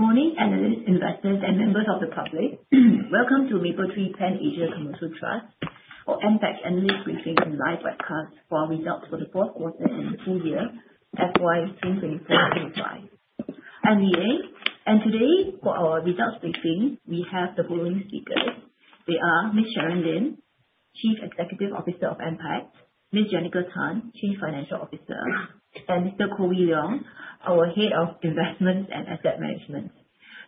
Good morning, analysts, investors, and members of the public. Welcome to Mapletree Pan Asia Commercial Trust or MPACT Analyst Briefing and Live Broadcast for our results for Q4 and the full year FY 2024-2025. I'm Li Ying. Today for our results briefing, we have the following speakers. They are Ms. Sharon Lim, Chief Executive Officer of MPACT, Ms. Janica Tan, Chief Financial Officer, and Mr. Koh Wee Leong, our Head of Investments and Asset Management.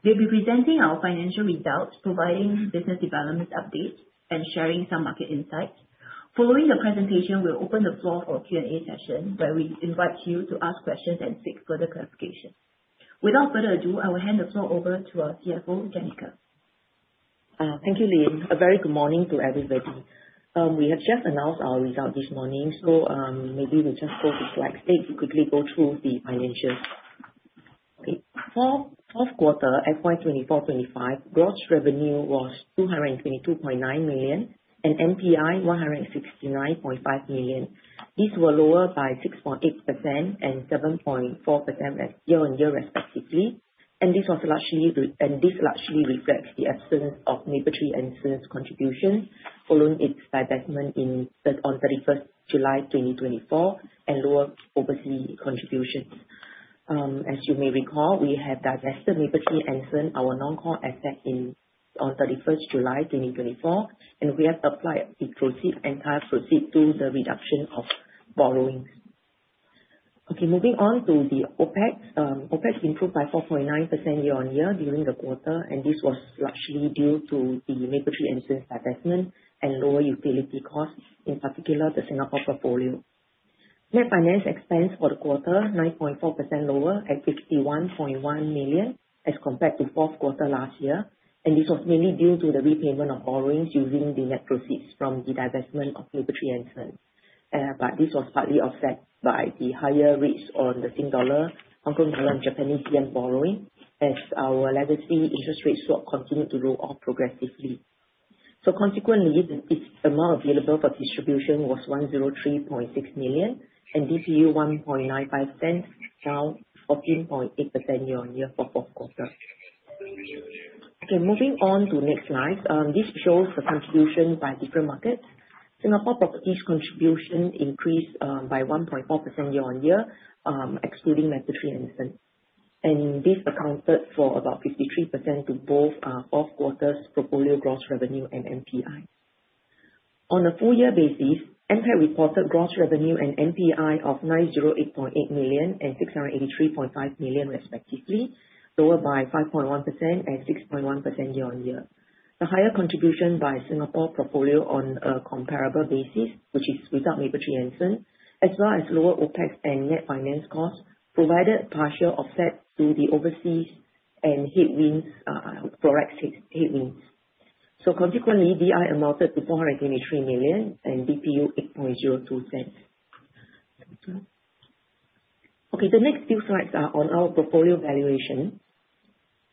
They'll be presenting our financial results, providing business development updates, and sharing some market insights. Following the presentation, we'll open the floor for Q&A session, where we invite you to ask questions and seek further clarification. Without further ado, I will hand the floor over to our CFO, Janica. Thank you, Li Ying. A very good morning to everybody. We have just announced our results this morning, maybe we just go to slide six to quickly go through the financials. For Q4 FY 2024-2025, gross revenue was 222.9 million and NPI 169.5 million. These were lower by 6.8% and 7.4% year-on-year respectively, this largely reflects the absence of Mapletree Anson's contribution following its divestment on 31st July 2024 and lower overseas contributions. As you may recall, we had divested Mapletree Anson, our non-core asset on 31st July 2024, we have applied the proceeds, entire proceeds to the reduction of borrowings. Moving on to the OpEx. OpEx improved by 4.9% year-on-year during the quarter. This was largely due to the Mapletree Anson's divestment and lower utility costs, in particular the Singapore portfolio. Net finance expense for the quarter, 9.4% lower at 61.1 million as compared to Q4 last year. This was mainly due to the repayment of borrowings using the net proceeds from the divestment of Mapletree Anson. This was partly offset by the higher rates on the Sing dollar, Hong Kong dollar, and Japanese yen borrowing as our liability interest rate swap continued to roll off progressively. Consequently, its amount available for distribution was 103.6 million. DPU 0.0195, down 14.8% year-on-year for Q4. Moving on to next slide. This shows the contribution by different markets. Singapore properties contribution increased by 1.4% year-on-year, excluding Mapletree Anson, and this accounted for about 53% to both Q4's portfolio gross revenue and NPI. On a full year basis, MPACT reported gross revenue and NPI of 908.8 million and 683.5 million respectively, lower by 5.1% and 6.1% year-on-year. The higher contribution by Singapore portfolio on a comparable basis, which is without Mapletree Anson, as well as lower OpEx and net finance costs, provided partial offset to the overseas and headwinds, Forex headwinds. Consequently, DI amounted to 483 million and DPU 0.0802. The next few slides are on our portfolio valuation.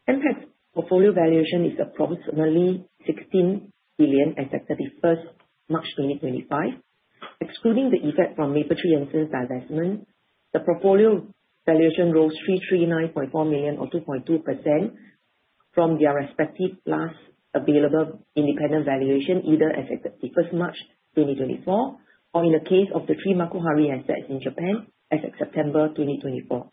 MPACT's portfolio valuation is approximately 16 billion as at March 31, 2025. Excluding the effect from Mapletree Anson's divestment, the portfolio valuation rose 339.4 million, or 2.2% from their respective last available independent valuation, either as at March 31, 2024, or in the case of the three Makuhari assets in Japan, as at September 2024.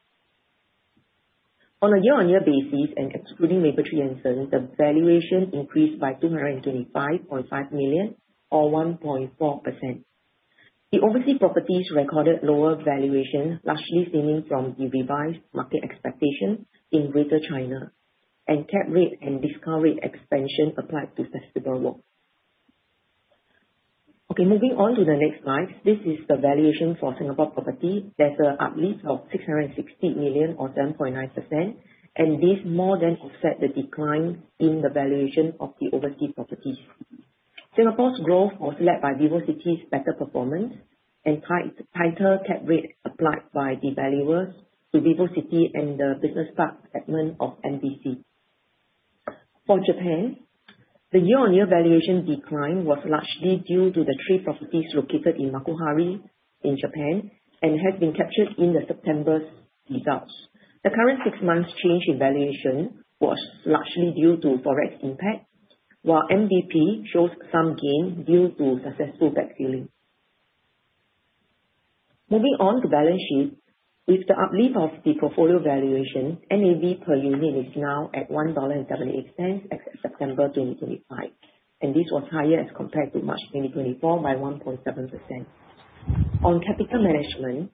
On a year-on-year basis and excluding Mapletree Anson, the valuation increased by 225.5 million or 1.4%. The overseas properties recorded lower valuations, largely stemming from the revised market expectations in Greater China and cap rate and discount rate expansion applied to Festival Walk. Okay, moving on to the next slide. This is the valuation for Singapore property. There's a uplift of 660 million or 10.9%. This more than offset the decline in the valuation of the overseas properties. Singapore's growth was led by VivoCity's better performance and tighter cap rates applied by the valuers to VivoCity and the business park segment of MBC. For Japan, the year-on-year valuation decline was largely due to the three properties located in Makuhari in Japan and has been captured in the September's results. The current six months change in valuation was largely due to Forex impact, while MBP shows some gain due to successful backfilling. Moving on to balance sheet. With the uplift of the portfolio valuation, NAV per unit is now at 1.78 dollar as at September 2025. This was higher as compared to March 2024 by 1.7%. On capital management,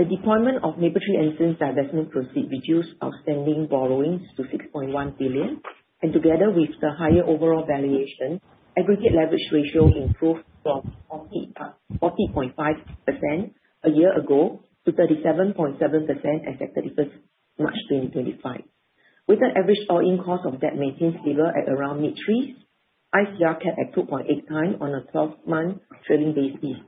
the deployment of Mapletree Anson's divestment proceed reduced outstanding borrowings to 6.1 billion. Together with the higher overall valuation, aggregate leverage ratio improved from 40.5% a year ago to 37.7% as at 31st March 2025. With an average all-in cost of debt maintained stable at around mid-threes, ICR kept at 2.8 times on a 12-month trailing basis.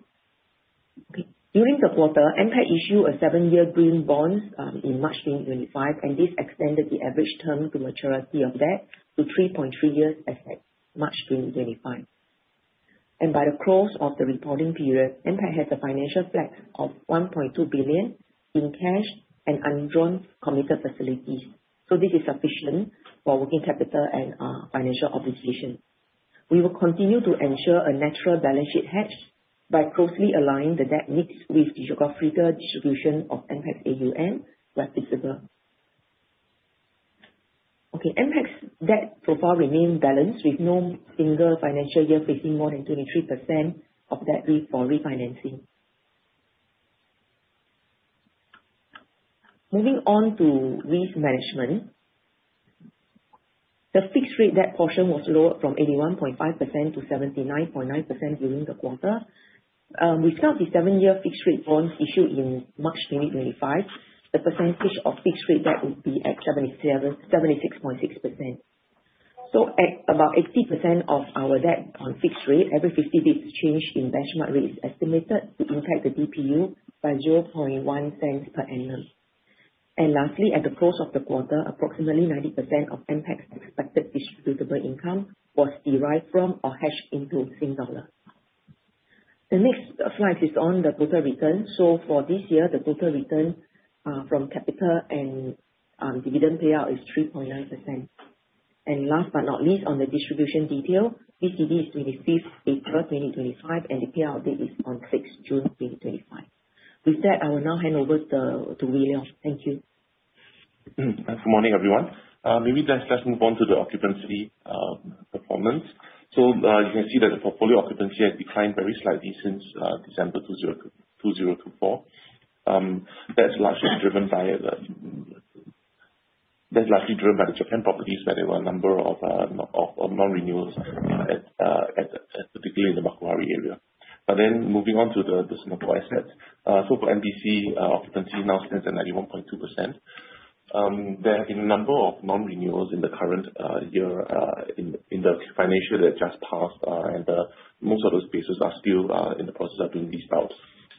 Okay. During the quarter, MPACT issued a seven-year green bond in March 2025, and this extended the average term to maturity of debt to 3.3 years as at March 2025. By the close of the reporting period, MPACT has a financial flex of 1.2 billion in cash and undrawn committed facilities. This is sufficient for working capital and financial obligations. We will continue to ensure a natural balance sheet hedge by closely aligning the debt mix with geographical distribution of MPACT's AUM where feasible. Okay. MPACT's debt profile remains balanced with no single financial year facing more than 23% of debt due for refinancing. Moving on to risk management. The fixed rate debt portion was lowered from 81.5% to 79.9% during the quarter. Without the seven-year fixed rate bonds issued in March 2025, the percentage of fixed rate debt would be at 76.6%. At about 80% of our debt on fixed rate, every 50 basis points change in benchmark rate is estimated to impact the DPU by 0.001 per annum. Lastly, at the close of the quarter, approximately 90% of MPACT's expected distributable income was derived from or hedged into SGD. The next slide is on the total return. For this year, the total return, from capital and dividend payout is 3.9%. Last but not least, on the distribution detail, TCD is April 25, 2025, and the payout date is on June 6, 2025. With that, I will now hand over to Leong. Thank you. Good morning, everyone. Maybe let's move on to the occupancy performance. You can see that the portfolio occupancy has declined very slightly since December 2024. That's largely driven by the Japan properties, where there were a number of non-renewals at particularly in the Makuhari area. Moving on to the Singapore assets. For MBC, occupancy now stands at 91.2%. There have been a number of non-renewals in the current year in the financial year that just passed. Most of those spaces are still in the process of being re-let.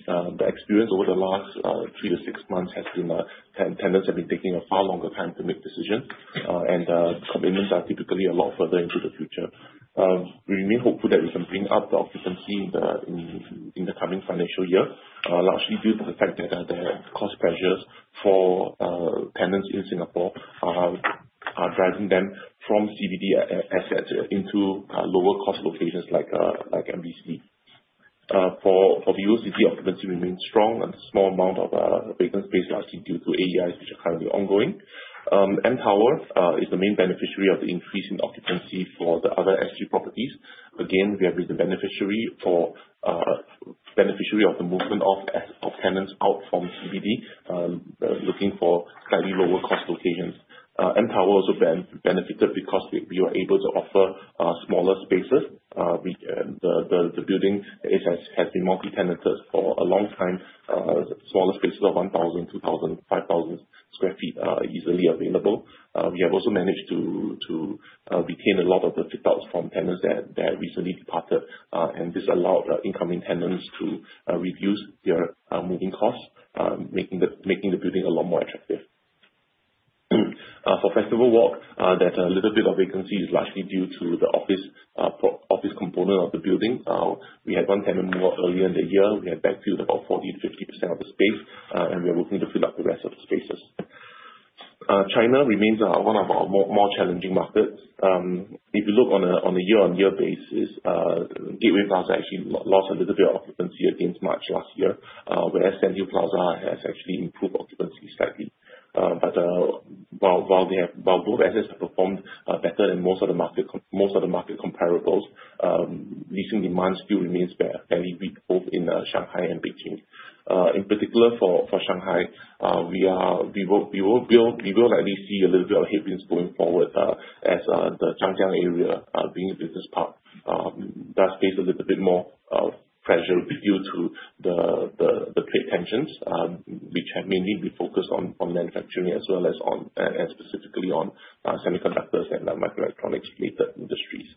The experience over the last three to six months has been, 10 tenants have been taking a far longer time to make decisions, and commitments are typically a lot further into the future. We remain hopeful that we can bring up the occupancy in the coming financial year, largely due to the fact that the cost pressures for tenants in Singapore are driving them from CBD assets into lower cost locations like MBC. For the UCT, occupancy remains strong and small amount of vacant space largely due to AEIs which are currently ongoing. mTower is the main beneficiary of the increase in occupancy for the other SG properties. Again, we have been the beneficiary of the movement of tenants out from CBD, looking for slightly lower cost locations. mTower also benefited because we were able to offer smaller spaces. We, the building has been multi-tenanted for a long time. Smaller spaces of 1,000, 2,000, 5,000sq ft are easily available. We have also managed to retain a lot of the fit-outs from tenants that recently departed. This allowed incoming tenants to reduce their moving costs, making the building a lot more attractive. For Festival Walk, that a little bit of vacancy is largely due to the Office component of the building. We had one tenant move out earlier in the year. We have backfilled about 40% to 50% of the space, we are working to fill up the rest of the spaces. China remains one of our more challenging markets. If you look on a year-on-year basis, Gateway Plaza actually lost a little bit of occupancy against March last year, whereas Sandhill Plaza has actually improved occupancy slightly. While both assets have performed better than most of the market comparables, recent demand still remains very weak both in Shanghai and Beijing. In particular for Shanghai, we will likely see a little bit of headwinds going forward, as the Zhangjiang area, being a business park, does face a little bit more pressure due to the trade tensions, which have mainly been focused on manufacturing as well as on, and specifically on semiconductors and microelectronics-related industries.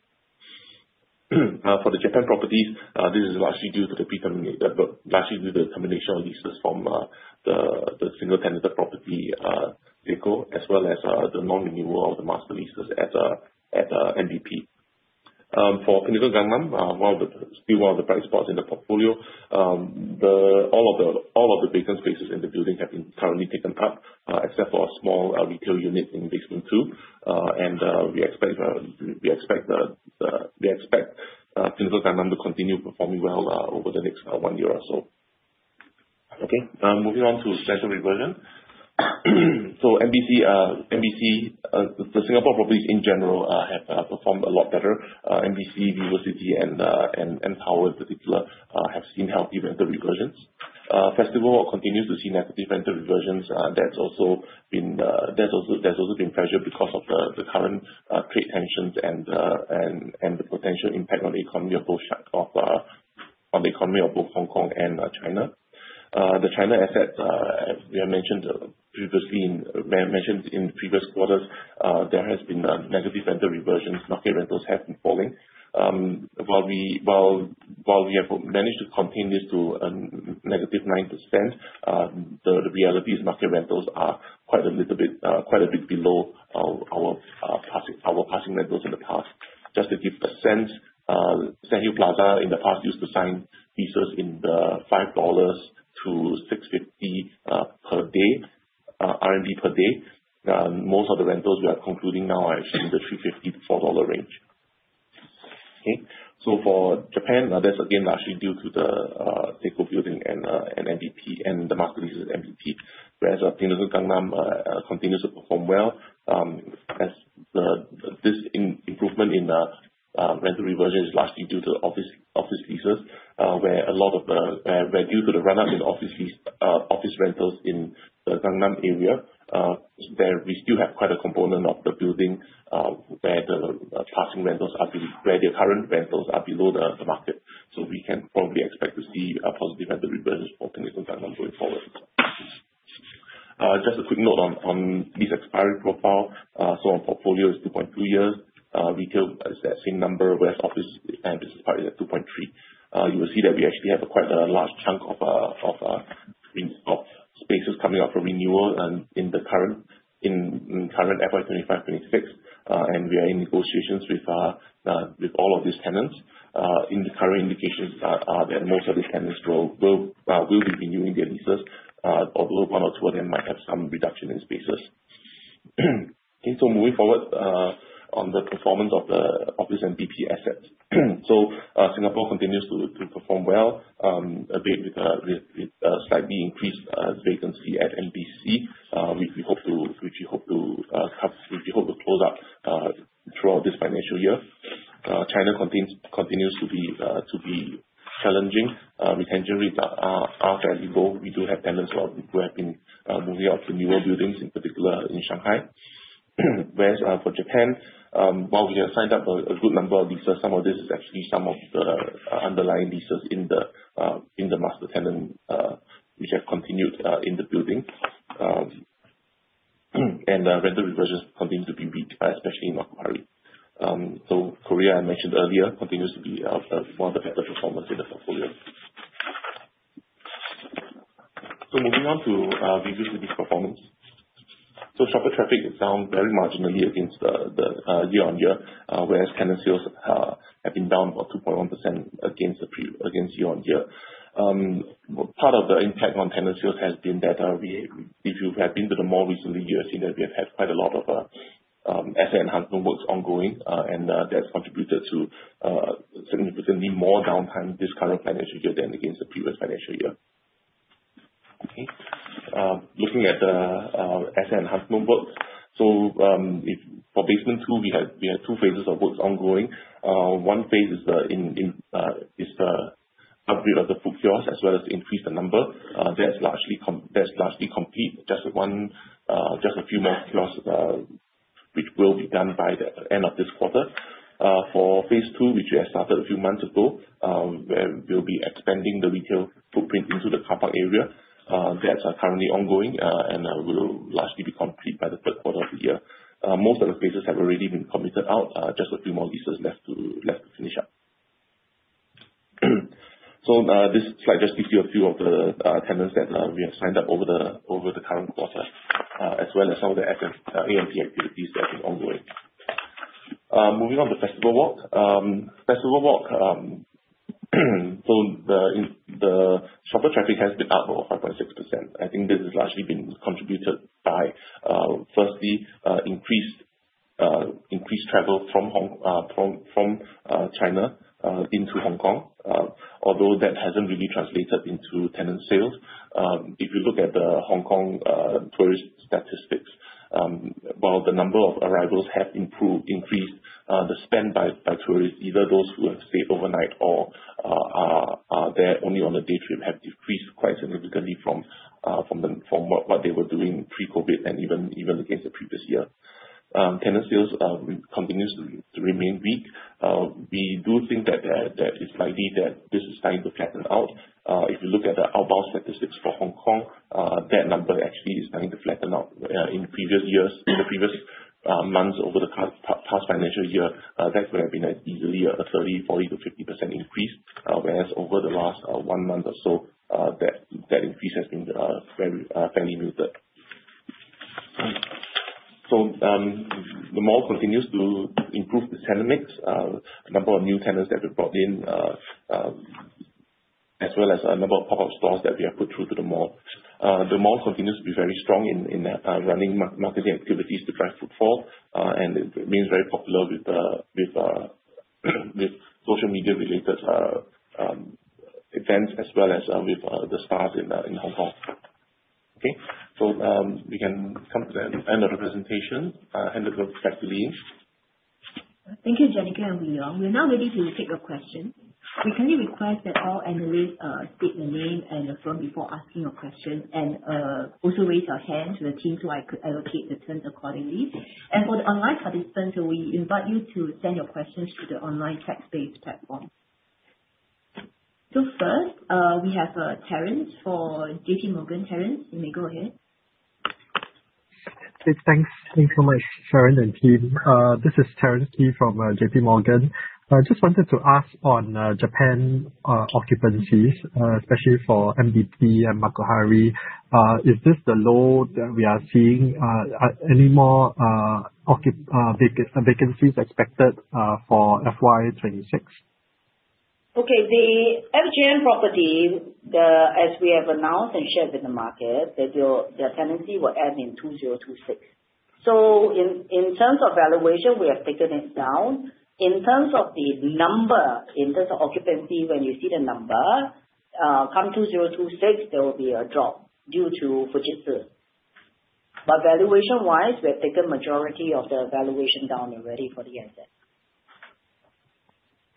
For the Japan properties, this is largely due to the termination of leases from the single-tenanted property vehicle, as well as the non-renewal of the master leases at MBC. For The Pinnacle Gangnam, one of the, still one of the bright spots in the portfolio, All of the vacant spaces in the building have been currently taken up, except for a small retail unit in basement two. We expect The Pinnacle Gangnam to continue performing well over the next one year or so. Moving on to schedule reversion. MBC, the Singapore properties in general, have performed a lot better. MBC, VivoCity and mTower in particular, have seen healthy rental reversions. Festival Walk continues to see negative rental reversions. That's also been pressured because of the current trade tensions and the potential impact on the economy of both Hong Kong and China. The China assets, as we have mentioned in previous quarters, there has been negative rental reversions. Market rentals have been falling. While we have managed to contain this to -9%, the reality is market rentals are quite a bit below our passing rentals in the past. Just to give a sense, Sandhill Plaza in the past used to sign leases in the RMB 5-RMB 6.50 per day RMB per day. Most of the rentals we are concluding now are actually in the 3.50-4 dollar range. Okay. For Japan, now that's again largely due to the Seiko building and MBP and the Master leases MBP. Whereas The Pinnacle Gangnam continues to perform well, as this improvement in rental reversion is largely due to office leases, where due to the run-up in office rentals in the Gangnam area, where we still have quite a component of the building, where the passing rentals are where the current rentals are below the market. We can probably expect to see a positive rental reversion for The Pinnacle Gangnam going forward. Just a quick note on lease expiry profile. Our portfolio is 2.3 years, retail is that same number, whereas office and this is probably at 2.3. You will see that we actually have a quite a large chunk of spaces coming up for renewal in current FY 2025, 2026. We are in negotiations with all of these tenants. The current indications are that most of these tenants will be renewing their leases. Although one or two of them might have some reduction in spaces. Moving forward on the performance of the office MBC assets. Singapore continues to perform well, with slightly increased vacancy at MBC. Which we hope will close out throughout this financial year. China continues to be challenging. Retention rates are fairly low. We do have tenants who have been moving out to newer buildings, in particular in Shanghai. Whereas, for Japan, while we have signed up a good number of leases, some of this is actually some of the underlying leases in the master tenant, which have continued in the building. Rental reversions continue to be weak, especially in Tokyo. Korea, I mentioned earlier, continues to be one of the better performers in the portfolio. Moving on to visits with this performance. Shopper traffic is down very marginally against the year-on-year, whereas tenant sales have been down about 2.1% against year-on-year. Part of the impact on tenant sales has been that if you have been to the mall recently, you have seen that we have had quite a lot of asset enhancement works ongoing, and that's contributed to significantly more downtime this current financial year than against the previous financial year. Looking at the asset enhancement works. For basement two, we have two phases of works ongoing. One phase is the upgrade of the food kiosks, as well as increase the number. That's largely complete. Just a few more kiosks, which will be done by the end of this quarter. For phase two, which we have started a few months ago, where we'll be expanding the retail footprint into the car park area. That's currently ongoing and will largely be complete by Q3 of the year. Most of the phases have already been committed out, just a few more leases left to finish up. This slide just gives you a few of the tenants that we have signed up over the current quarter, as well as some of the asset AEI activities that are ongoing. Moving on to Festival Walk. Festival Walk, the shopper traffic has been up over 5.6%. I think this has largely been contributed by, firstly, increased travel from China into Hong Kong, although that hasn't really translated into tenant sales. If you look at the Hong Kong tourist statistics, while the number of arrivals have improved, increased, the spend by tourists, either those who have stayed overnight or they're only on a day trip, have decreased quite significantly from what they were doing pre-COVID and even against the previous year. Tenant sales continues to remain weak. We do think that it's likely that this is starting to flatten out. If you look at the outbound statistics for Hong Kong, that number actually is starting to flatten out. In previous years, in the previous months over the current past financial year, that could have been easily a 30%, 40% to 50% increase. Over the last one month or so, that increase has been very fairly muted. The mall continues to improve its tenant mix. A number of new tenants that we've brought in, as well as a number of pop-up stores that we have put through to the mall. The mall continues to be very strong in running marketing activities to drive footfall, and it remains very popular with social media related events, as well as with the stars in Hong Kong. We can come to the end of the presentation. Hand it over back to Teng Li Yeng. Thank you, Janica and Leong. We're now ready to take your questions. We kindly request that all analysts state their name and their firm before asking a question, and also raise your hand to the team so I could allocate the turns accordingly. For the online participants, we invite you to send your questions to the online chat-based platform. First, we have Terence from J.P. Morgan. Terence, you may go ahead. Okay, thanks. Thank you so much, Sharon and team. This is Terence Khi from J.P. Morgan. I just wanted to ask on Japan occupancies, especially for MBP and Makuhari. Is this the load that we are seeing? Are any more vacancies expected for FY 2026? Okay. The FGN property, as we have announced and shared with the market, that their tenancy will end in 2026. In terms of valuation, we have taken it down. In terms of the number, in terms of occupancy when you see the number, come 2026 there will be a drop due to Fujitsu. Valuation-wise, we have taken majority of the valuation down already for the asset.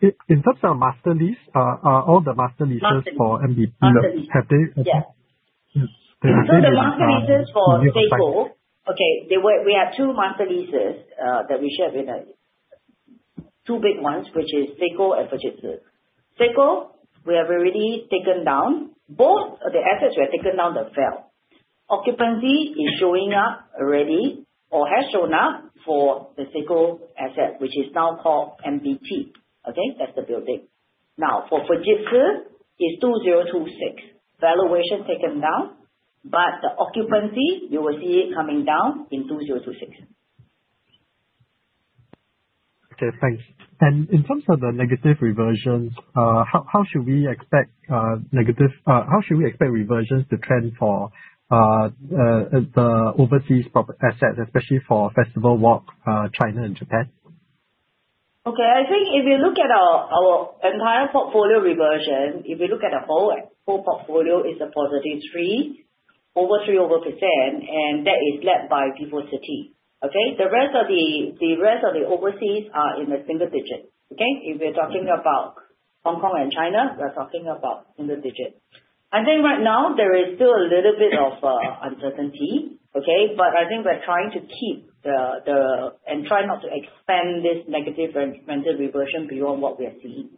In terms of master lease, are all the master leases? Master, yeah. for MBC, have they? Yes. The master leases for Seiko. Okay, we had two master leases that we shared with the two big ones, which is Seiko and Fujitsu. Seiko, we have already taken down. Both of the assets we have taken down the val. Occupancy is showing up already or has shown up for the Seiko asset, which is now called MBP, okay? That's the building. For Fujitsu is 2026. Valuation taken down, the occupancy, you will see it coming down in 2026. Okay, thanks. In terms of the negative reversions, how should we expect reversions to trend for the overseas prop assets, especially for Festival Walk, China and Japan? Okay. I think if you look at our entire portfolio reversion, if you look at the whole portfolio is a positive 3%, that is led by VivoCity, okay? The rest of the overseas are in the single digits, okay? If we're talking about Hong Kong and China, we're talking about single digit. I think right now there is still a little bit of uncertainty, okay? I think we're trying to keep and try not to expand this negative re-rented reversion beyond what we are seeing.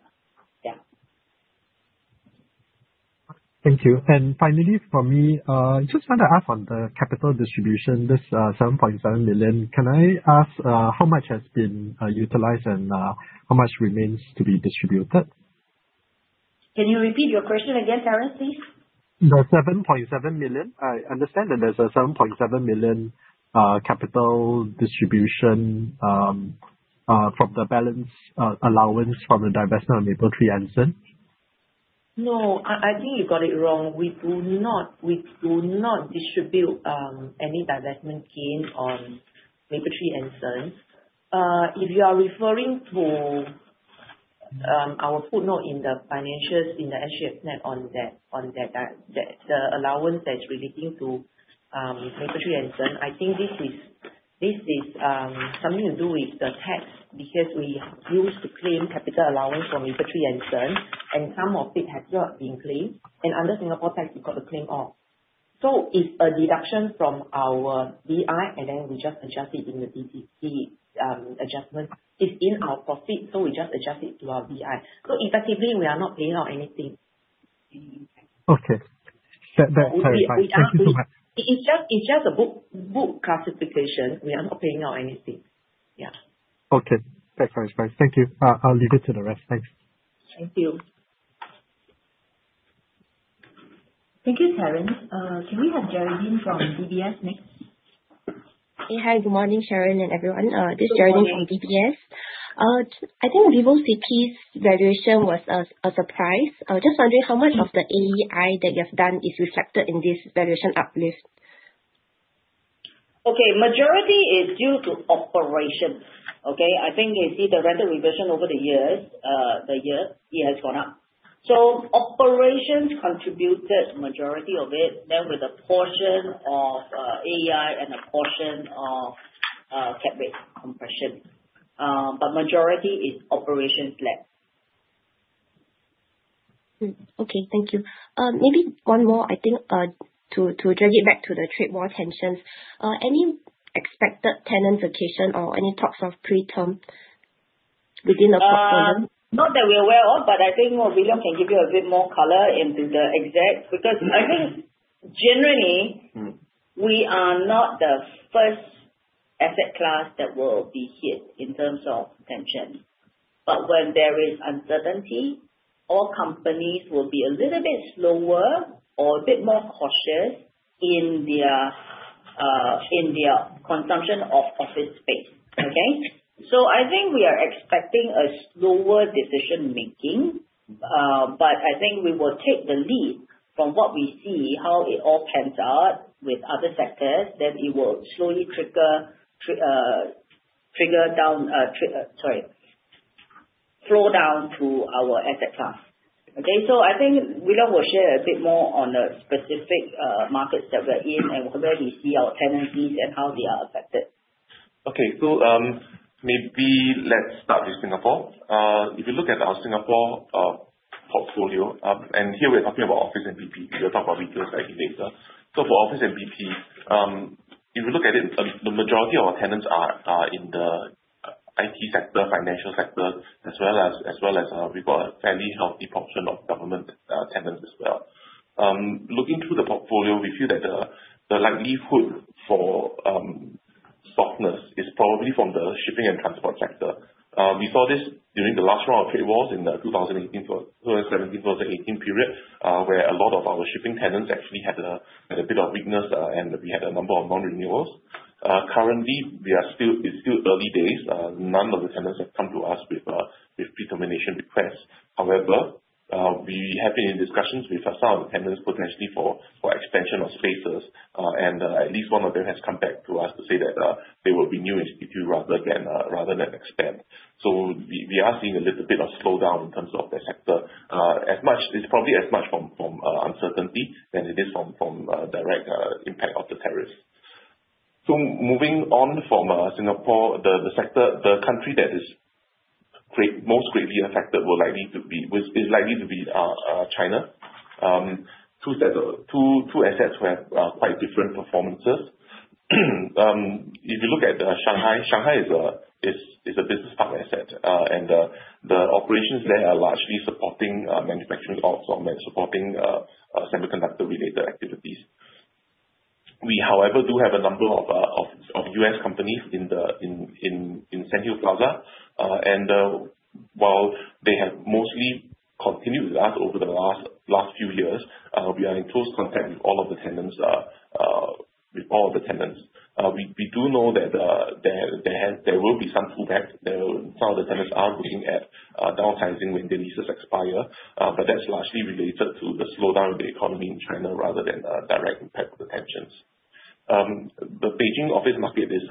Yeah. Thank you. Finally from me, I just wanted to ask on the capital distribution, this, 7.7 million. Can I ask, how much has been, utilized and, how much remains to be distributed? Can you repeat your question again, Terence, please? I understand that there's a 7.7 million capital distribution from the balance allowance from the divestment of Mapletree North. No, I think you got it wrong. We do not distribute any divestment gain on Mapletree Anson. If you are referring to our footnote in the financials, in the SG&A on that allowance that's relating to Mapletree Anson, I think this is something to do with the tax, because we used to claim capital allowance from Mapletree Anson, and some of it has not been claimed. Under Singapore tax, we've got to claim all. It's a deduction from our DI, and then we just adjust it in the DTC adjustment. It's in our profit, we just adjust it to our DI. Effectively, we are not paying out anything. Okay. That clarifies. Thank you so much. It's just a book classification. We are not paying out anything. Yeah. Okay. That clarifies. Thank you. I'll leave it to the rest. Thanks. Thank you. Thank you, Terence. Can we have Geraldine from DBS next? Yeah. Hi. Good morning, Sharon and everyone. Good morning. This is Geraldine from DBS. I think VivoCity's valuation was a surprise. I was just wondering how much of the AEI that you have done is reflected in this valuation uplift? Okay, majority is due to operation. Okay. I think you see the rental reversion over the years, the year, it has gone up. Operations contributed majority of it, then with a portion of AEI and a portion of cap rate compression. Majority is operations led. Okay. Thank you. Maybe one more, I think, to drag it back to the trade war tensions. Any expected tenant vacation or any talks of pre-term within the portfolio? Not that we're aware of, but I think, you know, Leong can give you a bit more color into the exact. Because I think generally we are not the first asset class that will be hit in terms of tension. When there is uncertainty, all companies will be a little bit slower or a bit more cautious in their consumption of office space. Okay. I think we are expecting a slower decision-making, but I think we will take the lead from what we see, how it all pans out with other sectors, then it will slowly trigger down, flow down through our asset class. Okay. I think Leong will share a bit more on the specific markets that we're in and where we see our tenancies and how they are affected. Okay. Maybe let's start with Singapore. If you look at our Singapore portfolio, and here we're talking about office MBC. We'll talk about retail slightly later. For office MBC, if you look at it, the majority of our tenants are in the IT sector, financial sector, as well as we've got a fairly healthy portion of government tenants as well. Looking through the portfolio, we feel that the likelihood for softness is probably from the shipping and transport sector. We saw this during the last round of trade wars in the 2017-2018 period, where a lot of our shipping tenants actually had a bit of weakness, and we had a number of non-renewals. Currently, it's still early days. None of the tenants have come to us with pre-termination requests. However, we have been in discussions with some tenants potentially for expansion of spaces. At least one of them has come back to us to say that they will renew instead rather than expand. We are seeing a little bit of slowdown in terms of the sector. It's probably as much from uncertainty than it is from direct impact of the tariffs. Moving on from Singapore, the country that is great-most greatly affected is likely to be China. Two assets who have quite different performances. If you look at Shanghai is a business park asset. The operations there are largely supporting manufacturing outs or supporting semiconductor-related activities. We, however, do have a number of U.S. companies in Sandhill Plaza. While they have mostly continued with us over the last few years, we are in close contact with all of the tenants. We do know that there will be some pullback. Some of the tenants are looking at downsizing when their leases expire, but that's largely related to the slowdown of the economy in China rather than direct impact of the tensions. The Beijing office market is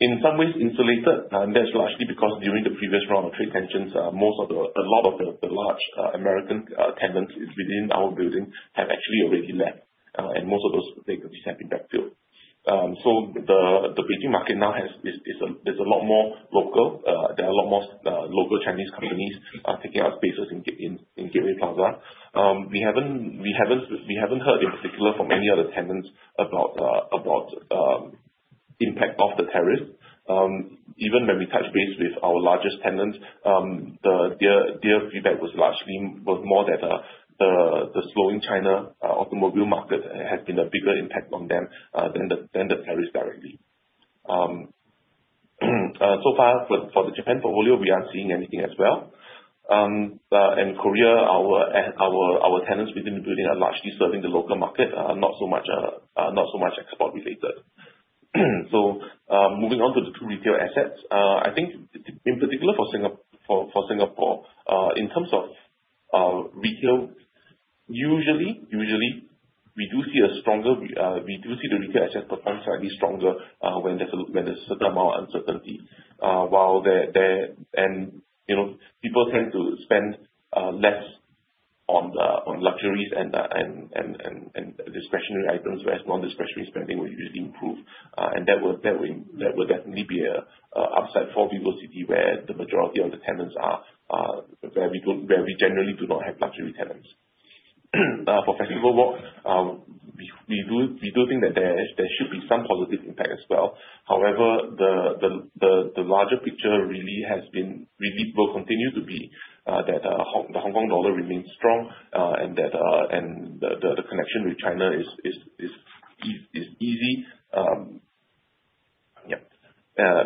in some ways insulated. That's largely because during the previous round of trade tensions, a lot of the large American tenants within our buildings have actually already left. Most of those vacancies have been backfilled. The Beijing market now is a lot more local. There are a lot more local Chinese companies taking up spaces in Gate-in Gateway Plaza. We haven't heard in particular from any other tenants about impact of the tariffs. Even when we touch base with our largest tenants, their feedback was more that the slowing China automobile market has been a bigger impact on them than the tariffs directly. So far for the Japan portfolio, we aren't seeing anything as well. In Korea, our tenants within the building are largely serving the local market, not so much export related. Moving on to the two retail assets. I think in particular for Singapore, in terms of retail, usually we do see a stronger, we do see the retail asset perform slightly stronger when there's a certain amount of uncertainty. While there, you know, people tend to spend less on luxuries and discretionary items whereas non-discretionary spending will usually improve. That will definitely be a upside for VivoCity where the majority of the tenants are, where we generally do not have luxury tenants. For Festival Walk, we do think that there should be some positive impact as well. The larger picture really will continue to be that the Hong Kong dollar remains strong, and that the connection with China is easy. Yeah.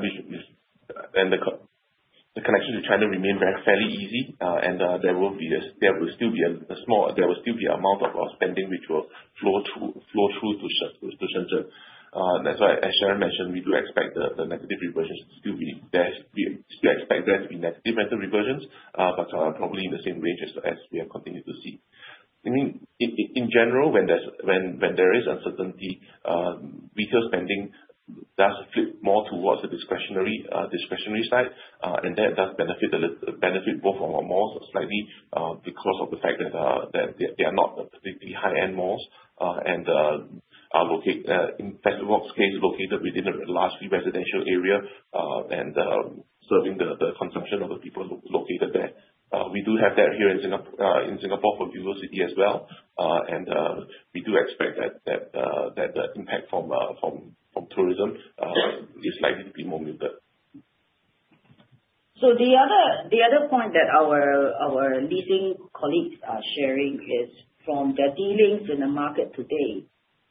The connection with China remain very fairly easy. There will still be amount of spending which will flow through to Shenzhen. That's why as Sharon mentioned, we do expect the negative reversions to still be there. We still expect there to be negative method reversions, but probably in the same ranges as we have continued to see. I mean, in general, when there is uncertainty, retail spending does flip more towards the discretionary side. That does benefit both of our malls slightly, because of the fact that they are not completely high-end malls, and are located, in Festival Walk's case, located within a largely residential area, and serving the consumption of the people located there. We do have that here in Singapore for VivoCity as well. We do expect that the impact from tourism is likely to be more muted. The other point that our leasing colleagues are sharing is from their dealings in the market today.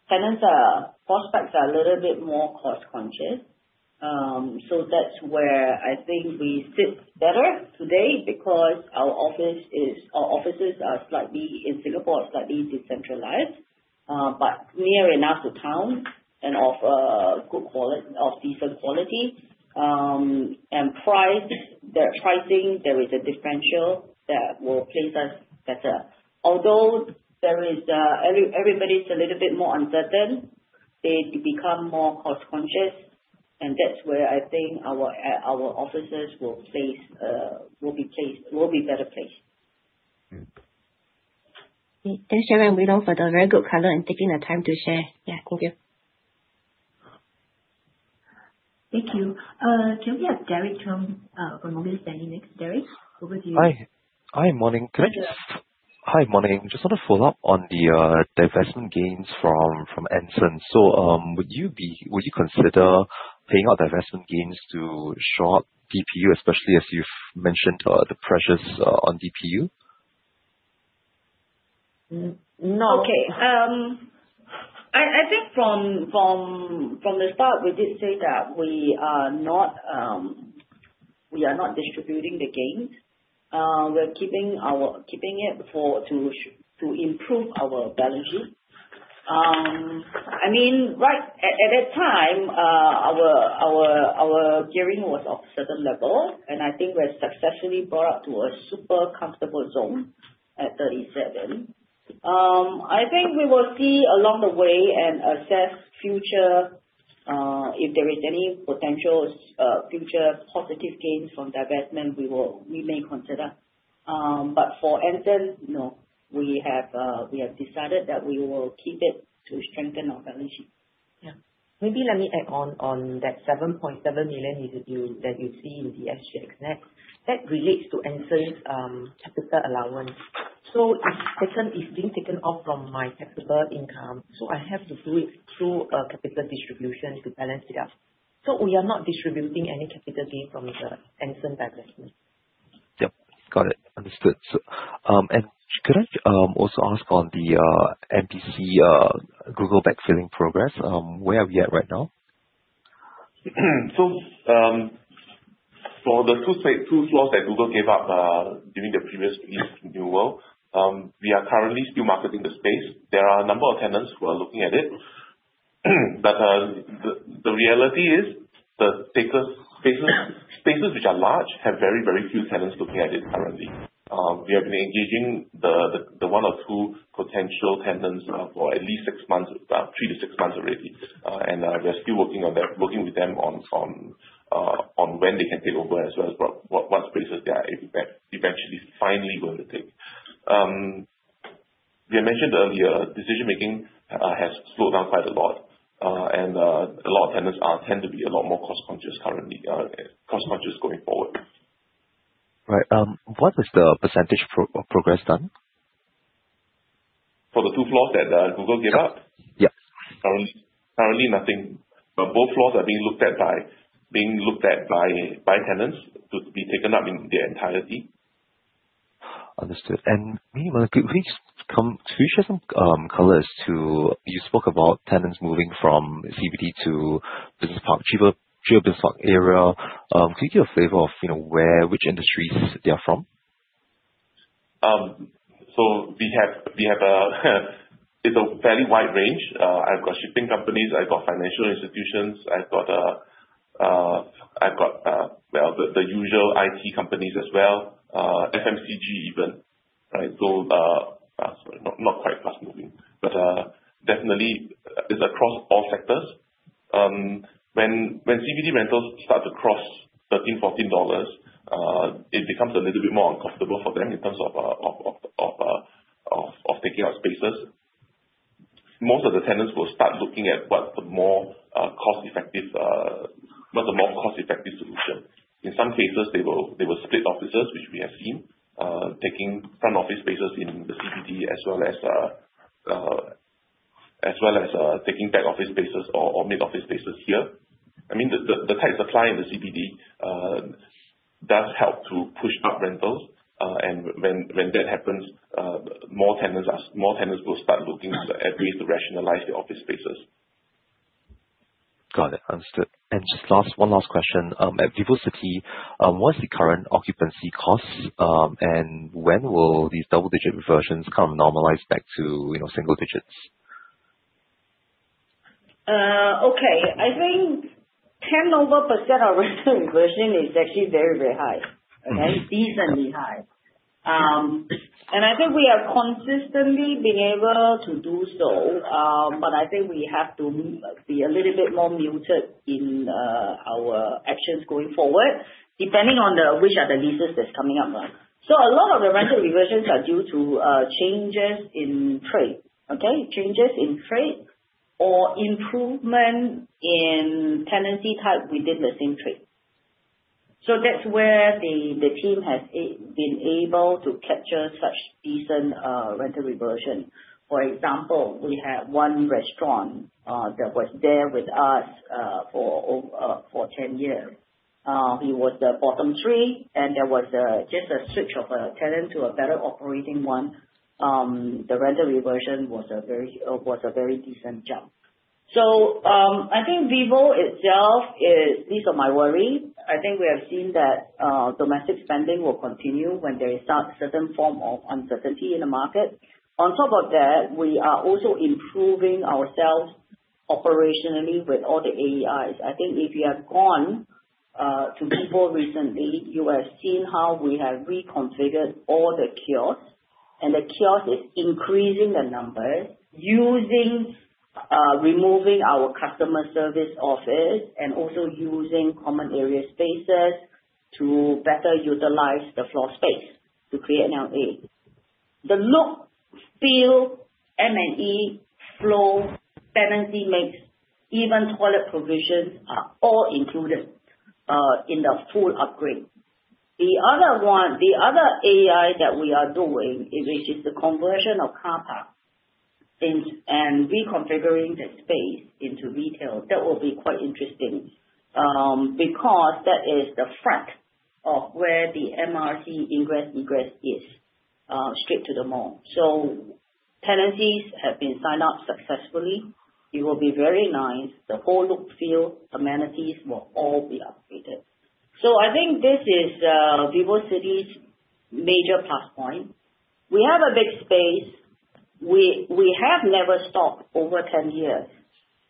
Prospects are a little bit more cost-conscious. That's where I think we sit better today because our offices are slightly in Singapore, slightly decentralized, but near enough to town and of decent quality. The pricing, there is a differential that will place us better. Although there is everybody's a little bit more uncertain, they become more cost-conscious, and that's where I think our offices will place, will be better placed. Thanks, Sharon and Leong for the very good color and taking the time to share. Yeah. Thank you. Thank you. Can we have Derek Chang from UOB? Derek, over to you. Hi. Hi, morning. Sure. Hi, morning. Just want to follow up on the divestment gains from Anson. Would you consider paying out divestment gains to shore up DPU, especially as you've mentioned the pressures on DPU? No. Okay. I think from the start, we did say that we are not distributing the gains. We're keeping it to improve our balance sheet. I mean, right at that time, our gearing was of certain level, and I think we have successfully brought to a super comfortable zone at 37. I think we will see along the way and assess future, if there is any potential future positive gains from divestment, we may consider. But for Anson, no, we have decided that we will keep it to strengthen our balance sheet. Maybe let me add on that 7.7 million is a deal that you see in the SGXNET. That relates to Anson's capital allowance. Anson is being taken off from my taxable income, so I have to do it through a capital distribution to balance it out. We are not distributing any capital gain from the Anson divestment. Yep, got it. Understood. Could I also ask on the MBC, Google backfilling progress, where are we at right now? For the two floors that Google gave up during the previous lease renewal, we are currently still marketing the space. There are a number of tenants who are looking at it. The reality is the spaces which are large have very, very few tenants looking at it currently. We have been engaging the one or two potential tenants now for at least six months, three to six months already. We are still working on that, working with them on when they can take over as well as what spaces they are eventually finally going to take. We had mentioned earlier, decision-making has slowed down quite a lot, and a lot of tenants tend to be a lot more cost-conscious currently, cost-conscious going forward. Right. What is the percentage progress done? For the two floors that Google gave up? Yes. Currently nothing. Both floors are being looked at by tenants to be taken up in their entirety. Understood. Maybe, Leong, could we share some color as to you spoke about tenants moving from CBD to business park, cheaper business park area. Could you give a flavor of, you know, where, which industries they are from? We have a it's a very wide range. I've got shipping companies, I've got financial institutions, I've got, I've got the usual IT companies as well. FMCG even, right? Not quite fast-moving, but definitely it's across all sectors. When CBD rentals start to cross 13, 14 dollars, it becomes a little bit more uncomfortable for them in terms of taking up spaces. Most of the tenants will start looking at what the more cost-effective solution. In some cases, they will split offices, which we have seen, taking front office spaces in the CBD as well as taking back office spaces or mid office spaces here. I mean, the tight supply in the CBD does help to push up rentals. When that happens, more tenants will start looking at ways to rationalize their office spaces. Got it. Understood. Just one last question. At VivoCity, what is the current occupancy costs, and when will these double-digit reversions come normalize back to, you know, single digits? I think 10% of rental reversion is actually very, very high. Okay? Decently high. I think we have consistently been able to do so. I think we have to be a little bit more muted in our actions going forward, depending on the which are the leases that's coming up first. A lot of the rental reversions are due to changes in trade. Okay. Changes in trade or improvement in tenancy type within the same trade. That's where the team has been able to capture such decent rental reversion. For example, we had one restaurant that was there with us for 10 years. He was the bottom three, there was just a switch of a tenant to a better operating one. The rental reversion was a very decent jump. I think VivoCity itself is These are my worry. I think we have seen that domestic spending will continue when there is certain form of uncertainty in the market. On top of that, we are also improving ourselves operationally with all the AEIs. I think if you have gone to VivoCity recently, you will have seen how we have reconfigured all the kiosks. The kiosk is increasing the number using removing our customer service office and also using common area spaces to better utilize the floor space to create an AEI. The look, feel, M&E, flow, tenancy mix, even toilet provisions are all included in the full upgrade. The other one, the other AEI that we are doing is, which is the conversion of car park. Reconfiguring the space into retail, that will be quite interesting, because that is the front of where the MRT ingress, egress is, straight to the mall. Tenancies have been signed up successfully. It will be very nice. The whole look and feel, amenities will all be upgraded. I think this is VivoCity's major plus point. We have a big space. We have never stopped over 10 years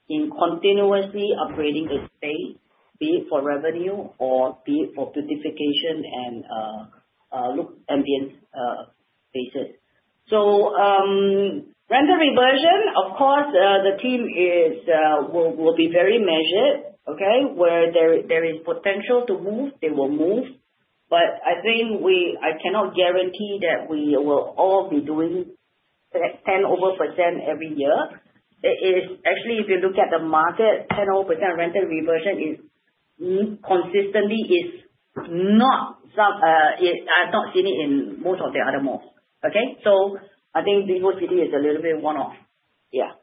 in continuously upgrading the space, be it for revenue or be it for beautification and look ambience spaces. Rental reversion, of course, the team will be very measured, okay? Where there is potential to move, they will move. I think we cannot guarantee that we will all be doing over 10% every year. Actually, if you look at the market, over 10% rental reversion is, consistently is not some, it I've not seen it in most of the other malls, okay? I think VivoCity is a little bit one-off. Yeah.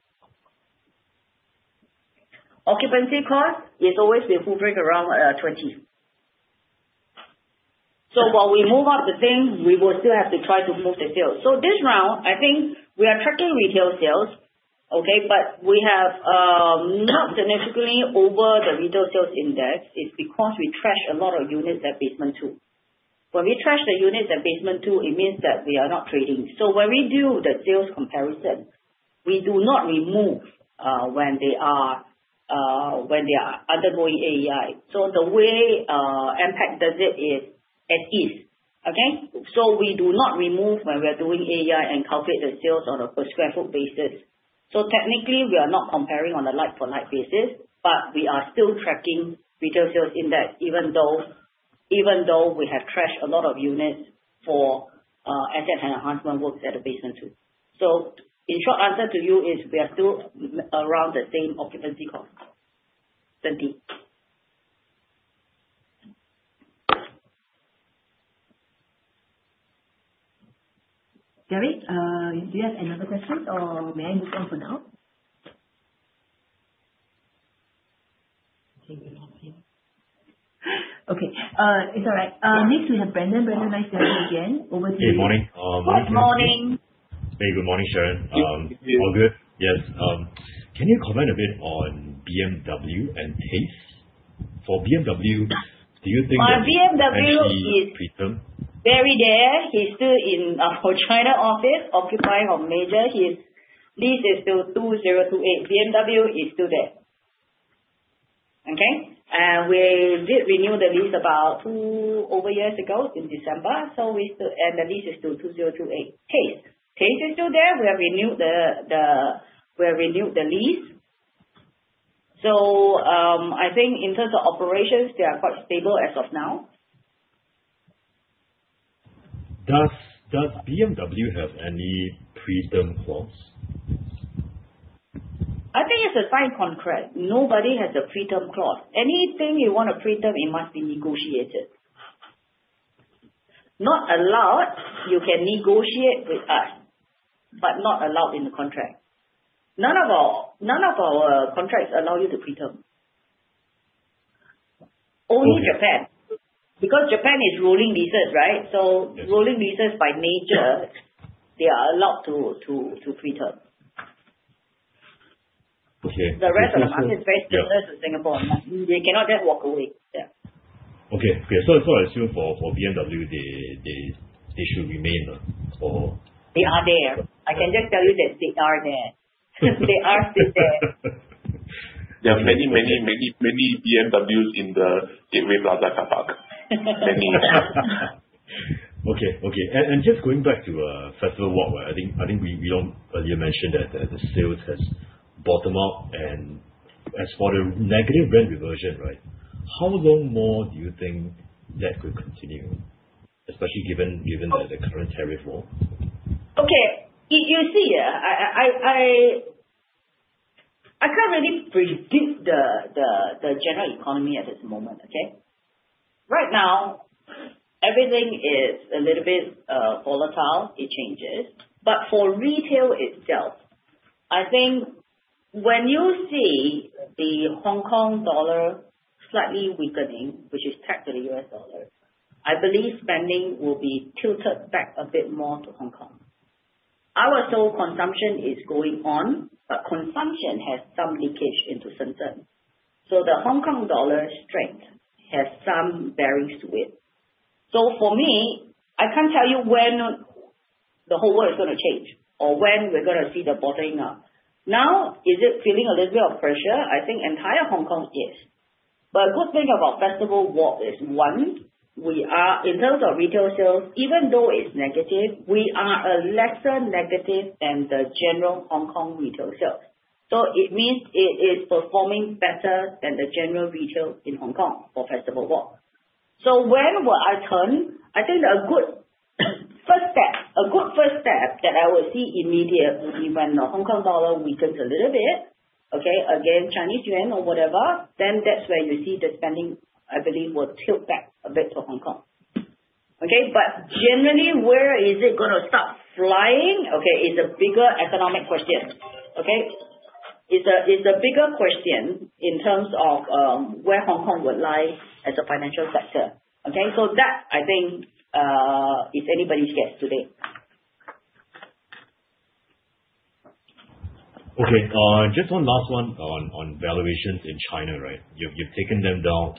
Occupancy cost, it's always been hovering around 20%. While we move out the things, we will still have to try to move the sales. This round, I think we are tracking retail sales, okay? We have not significantly over the retail sales index. It's because we trashed a lot of units at basement two. When we trash the units at basement two, it means that they are not trading. When we do the sales comparison, we do not remove when they are undergoing AEI. The way MPACT does it is as is. Okay? We do not remove when we are doing AEI and calculate the sales on a per square foot basis. Technically, we are not comparing on a like-for-like basis, but we are still tracking retail sales in that even though, even though we have trashed a lot of units for asset and enhancement works at the basement two. In short, answer to you is we are still around the same occupancy cost. Gary, do you have another question or may I move on for now? Okay, it's all right. Next we have Brandon. Brandon, nice to have you again. Over to you. Good morning. Morning to you too. Good morning. Hey, good morning, Sharon. All good. Yes. Can you comment a bit on BMW and BAIC? BMW- actually pre-term? -very there. He's still in for China office occupying our major. His lease is till 2028. BMW is still there. Okay. We did renew the lease about two over years ago in December. The lease is till 2028. BAIC is still there. We have renewed the lease. I think in terms of operations, they are quite stable as of now. Does BMW have any pre-term clause? I think it's a signed contract. Nobody has a pre-term clause. Anything you want a pre-term, it must be negotiated. Not allowed. You can negotiate with us, but not allowed in the contract. None of our contracts allow you to pre-term. Only Japan, because Japan is rolling leases, right? Yes. Rolling leases by nature, they are allowed to pre-term. Okay. The rest of the market is very similar to Singapore. They cannot just walk away. Yeah. Okay. Okay. I assume for BMW, they should remain. They are there. I can just tell you that they are there. They are still there. There are many, many, many, many BMWs in the Gateway Plaza car park. Many. Okay. Just going back to Festival Walk, where I think Leong earlier mentioned that the sales has bottomed out. As for the negative rent reversion, right, how long more do you think that could continue, especially given the current tariff war? Okay. If you see, yeah, I can't really predict the general economy at this moment. Okay. Right now, everything is a little bit volatile. It changes. For retail itself, I think when you see the Hong Kong dollar slightly weakening, which is pegged to the U.S. dollar, I believe spending will be tilted back a bit more to Hong Kong. Our sole consumption is going on, but consumption has some leakage into Shenzhen. The Hong Kong dollar strength has some bearings to it. For me, I can't tell you when the whole world is gonna change or when we're gonna see the bottoming out. Now, is it feeling a little bit of pressure? I think entire Hong Kong, yes. The good thing about Festival Walk is, one, we are In terms of retail sales, even though it's negative, we are a lesser negative than the general Hong Kong retail sales. It means it is performing better than the general retail in Hong Kong for Festival Walk. When will I turn? I think a good first step, a good first step that I will see immediately when the Hong Kong dollar weakens a little bit, okay, against Chinese yuan or whatever, then that's where you see the spending, I believe, will tilt back a bit for Hong Kong. Generally, where is it gonna stop flying, okay, is a bigger economic question. Okay. It's a bigger question in terms of where Hong Kong will lie as a financial sector. Okay. That I think is anybody's guess today. Okay. Just one last one on valuations in China, right? You've taken them down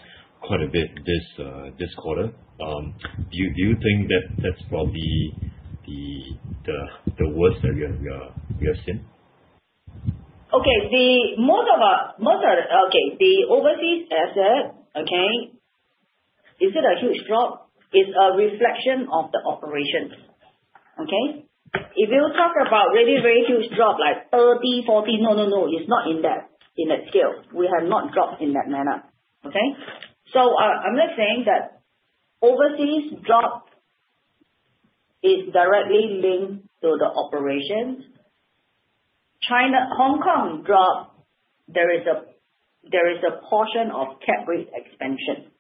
quite a bit this quarter. Do you think that that's probably the worst that we have, we are seeing? The overseas asset, is it a huge drop? It's a reflection of the operations. If you talk about very huge drop, like 30, 40, no, no. It's not in that scale. We have not dropped in that manner. I'm not saying that overseas drop is directly linked to the operations. Hong Kong drop, there is a portion of cap rate expansion.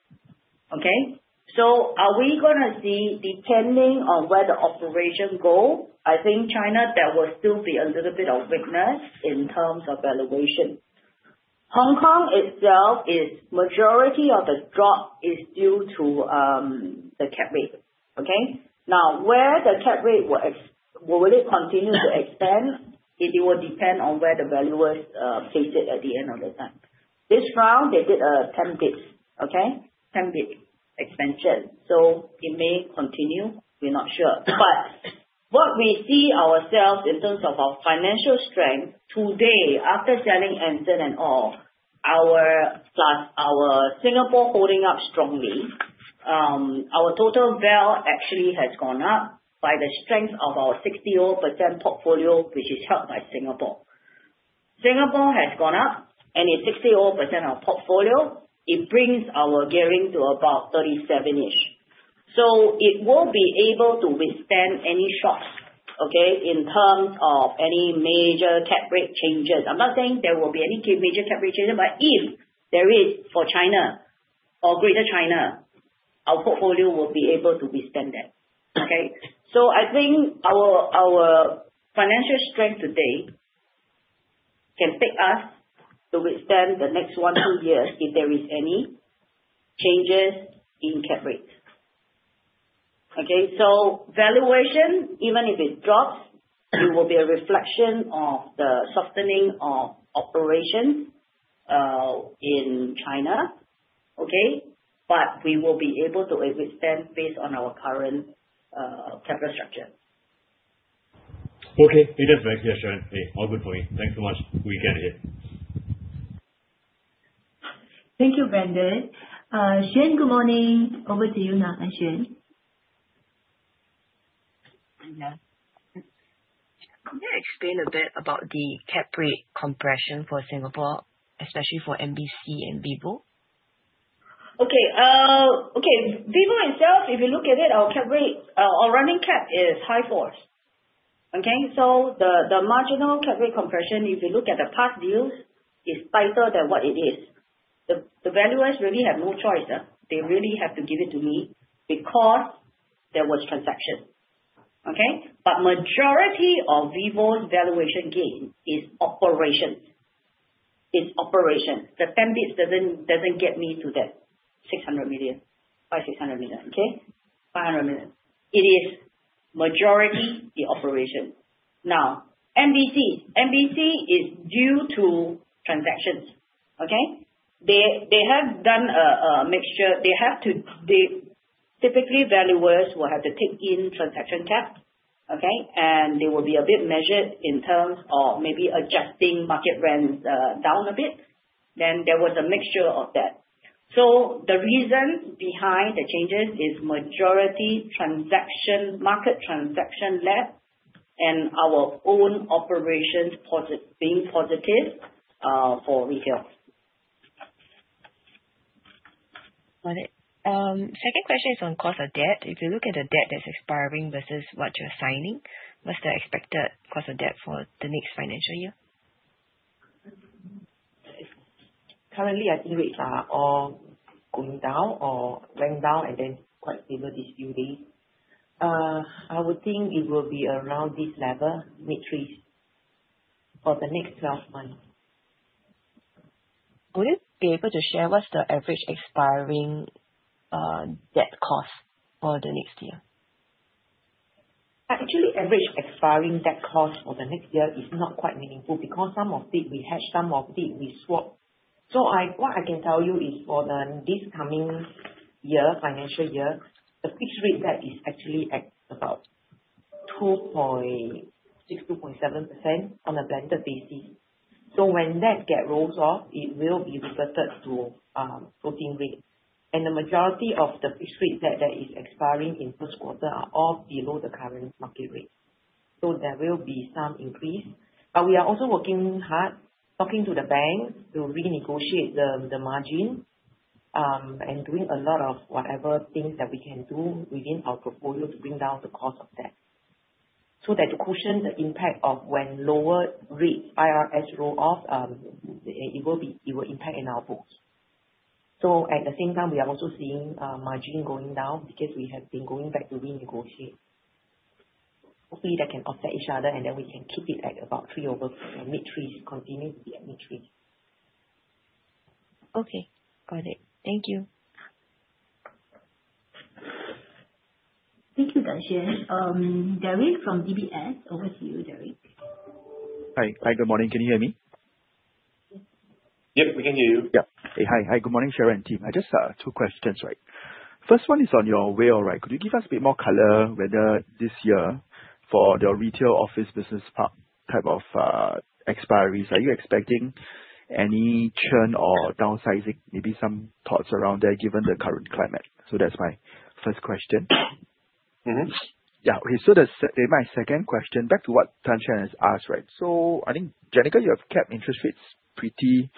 Are we gonna see, depending on where the operation go, I think China, there will still be a little bit of weakness in terms of valuation. Hong Kong itself is majority of the drop is due to the cap rate. Now, where the cap rate, will it continue to expand? It will depend on where the valuers place it at the end of the time. This round, they did a 10 basis points. 10 basis points expansion, it may continue. We're not sure. What we see ourselves in terms of our financial strength today after selling Anson and all, our Singapore holding up strongly, our total value actually has gone up by the strength of our 60% odd percent portfolio, which is held by Singapore. Singapore has gone up, it's 60% odd percent of portfolio. It brings our gearing to about 37%-ish. It won't be able to withstand any shocks in terms of any major cap rate changes. I'm not saying there will be any major cap rate changes, if there is for China or Greater China, our portfolio will be able to withstand that. I think our financial strength today can take us to withstand the next one, two years if there is any changes in cap rates. Okay. Valuation, even if it drops, it will be a reflection of the softening of operations in China. Okay. We will be able to withstand based on our current capital structure. Okay. It is very clear, Sharon. Hey, all good for you. Thanks so much. We get it. Thank you, Brandon. Tan Chen, good morning. Over to you now, Tan Chen. Yeah. Could you explain a bit about the cap rate compression for Singapore, especially for MBC and Vivo? VivoCity itself, if you look at it, our cap rate, our running cap is high fours. The marginal cap rate compression, if you look at the past deals, is tighter than what it is. The valuers really have no choice. They really have to give it to me because there was transaction. Majority of VivoCity's valuation gain is operations. It's operations. The 10 basis points doesn't get me to that 600 million, 500 million-600 million, 500 million. It is majority the operation. MBC. MBC is due to transactions. They have done a mixture. They typically, valuers will have to take in transaction cap. They will be a bit measured in terms of maybe adjusting market rents down a bit. There was a mixture of that. The reason behind the changes is majority transaction, market transaction left and our own operations being positive for retail. Got it. Second question is on cost of debt. If you look at the debt that's expiring versus what you're signing, what's the expected cost of debt for the next financial year? Currently, I think rates are all going down or going down and then quite stable these few days. I would think it will be around this level, mid-threes, for the next 12 months. Will you be able to share what's the average expiring debt cost for the next year? Actually, average expiring debt cost for the next year is not quite meaningful because some of it we hedge, some of it we swap. What I can tell you is for this coming year, financial year, the fixed rate debt is actually at about 2.6%-2.7% on a blended basis. When that get rolled off, it will be reverted to floating rate. The majority of the fixed rate debt that is expiring in Q1 are all below the current market rate. There will be some increase. We are also working hard, talking to the bank to renegotiate the margin, and doing a lot of whatever things that we can do within our portfolio to bring down the cost of debt. That to cushion the impact of when lower rates IRS roll off, it will impact in our books. At the same time, we are also seeing margin going down because we have been going back to renegotiate. Hopefully, that can offset each other, and then we can keep it at about three over mid-threes, continuing to be at mid-threes. Okay. Got it. Thank you. Thank you, Tan Chen. Derek from DBS. Over to you, Derek. Hi. Hi, good morning. Can you hear me? Yep, we can hear you. Hi, good morning, Sharon team. I just have two questions, right? First one is on your way, all right. Could you give us a bit more color whether this year for the retail office business type of expiries, are you expecting any churn or downsizing? Maybe some thoughts around that given the current climate. That's my first question. My second question, back to what Tan Chen has asked? I think generally you have kept interest rates pretty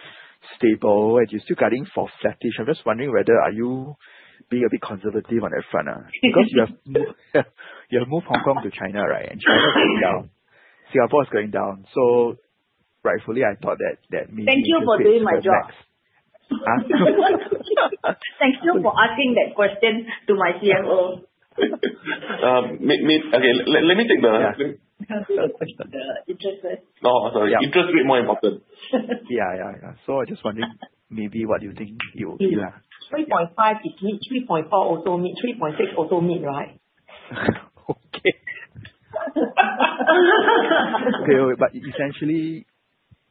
stable, and you're still guiding for flat-ish. I'm just wondering whether are you being a bit conservative on that front now? Because you have moved Hong Kong to China, right? China is going down. Singapore is going down. Rightfully, I thought that maybe interest rates will rise. Thank you for doing my job. Huh? Thank you for asking that question to my CFO. May. Okay, let me take the-. The interest rate. Oh, sorry. Interest rate more important. Yeah. Yeah. I just wondering maybe what you think it will be? 3.5, it meet. 3.4 also meet. 3.6 also meet, right? Okay. Okay. Essentially,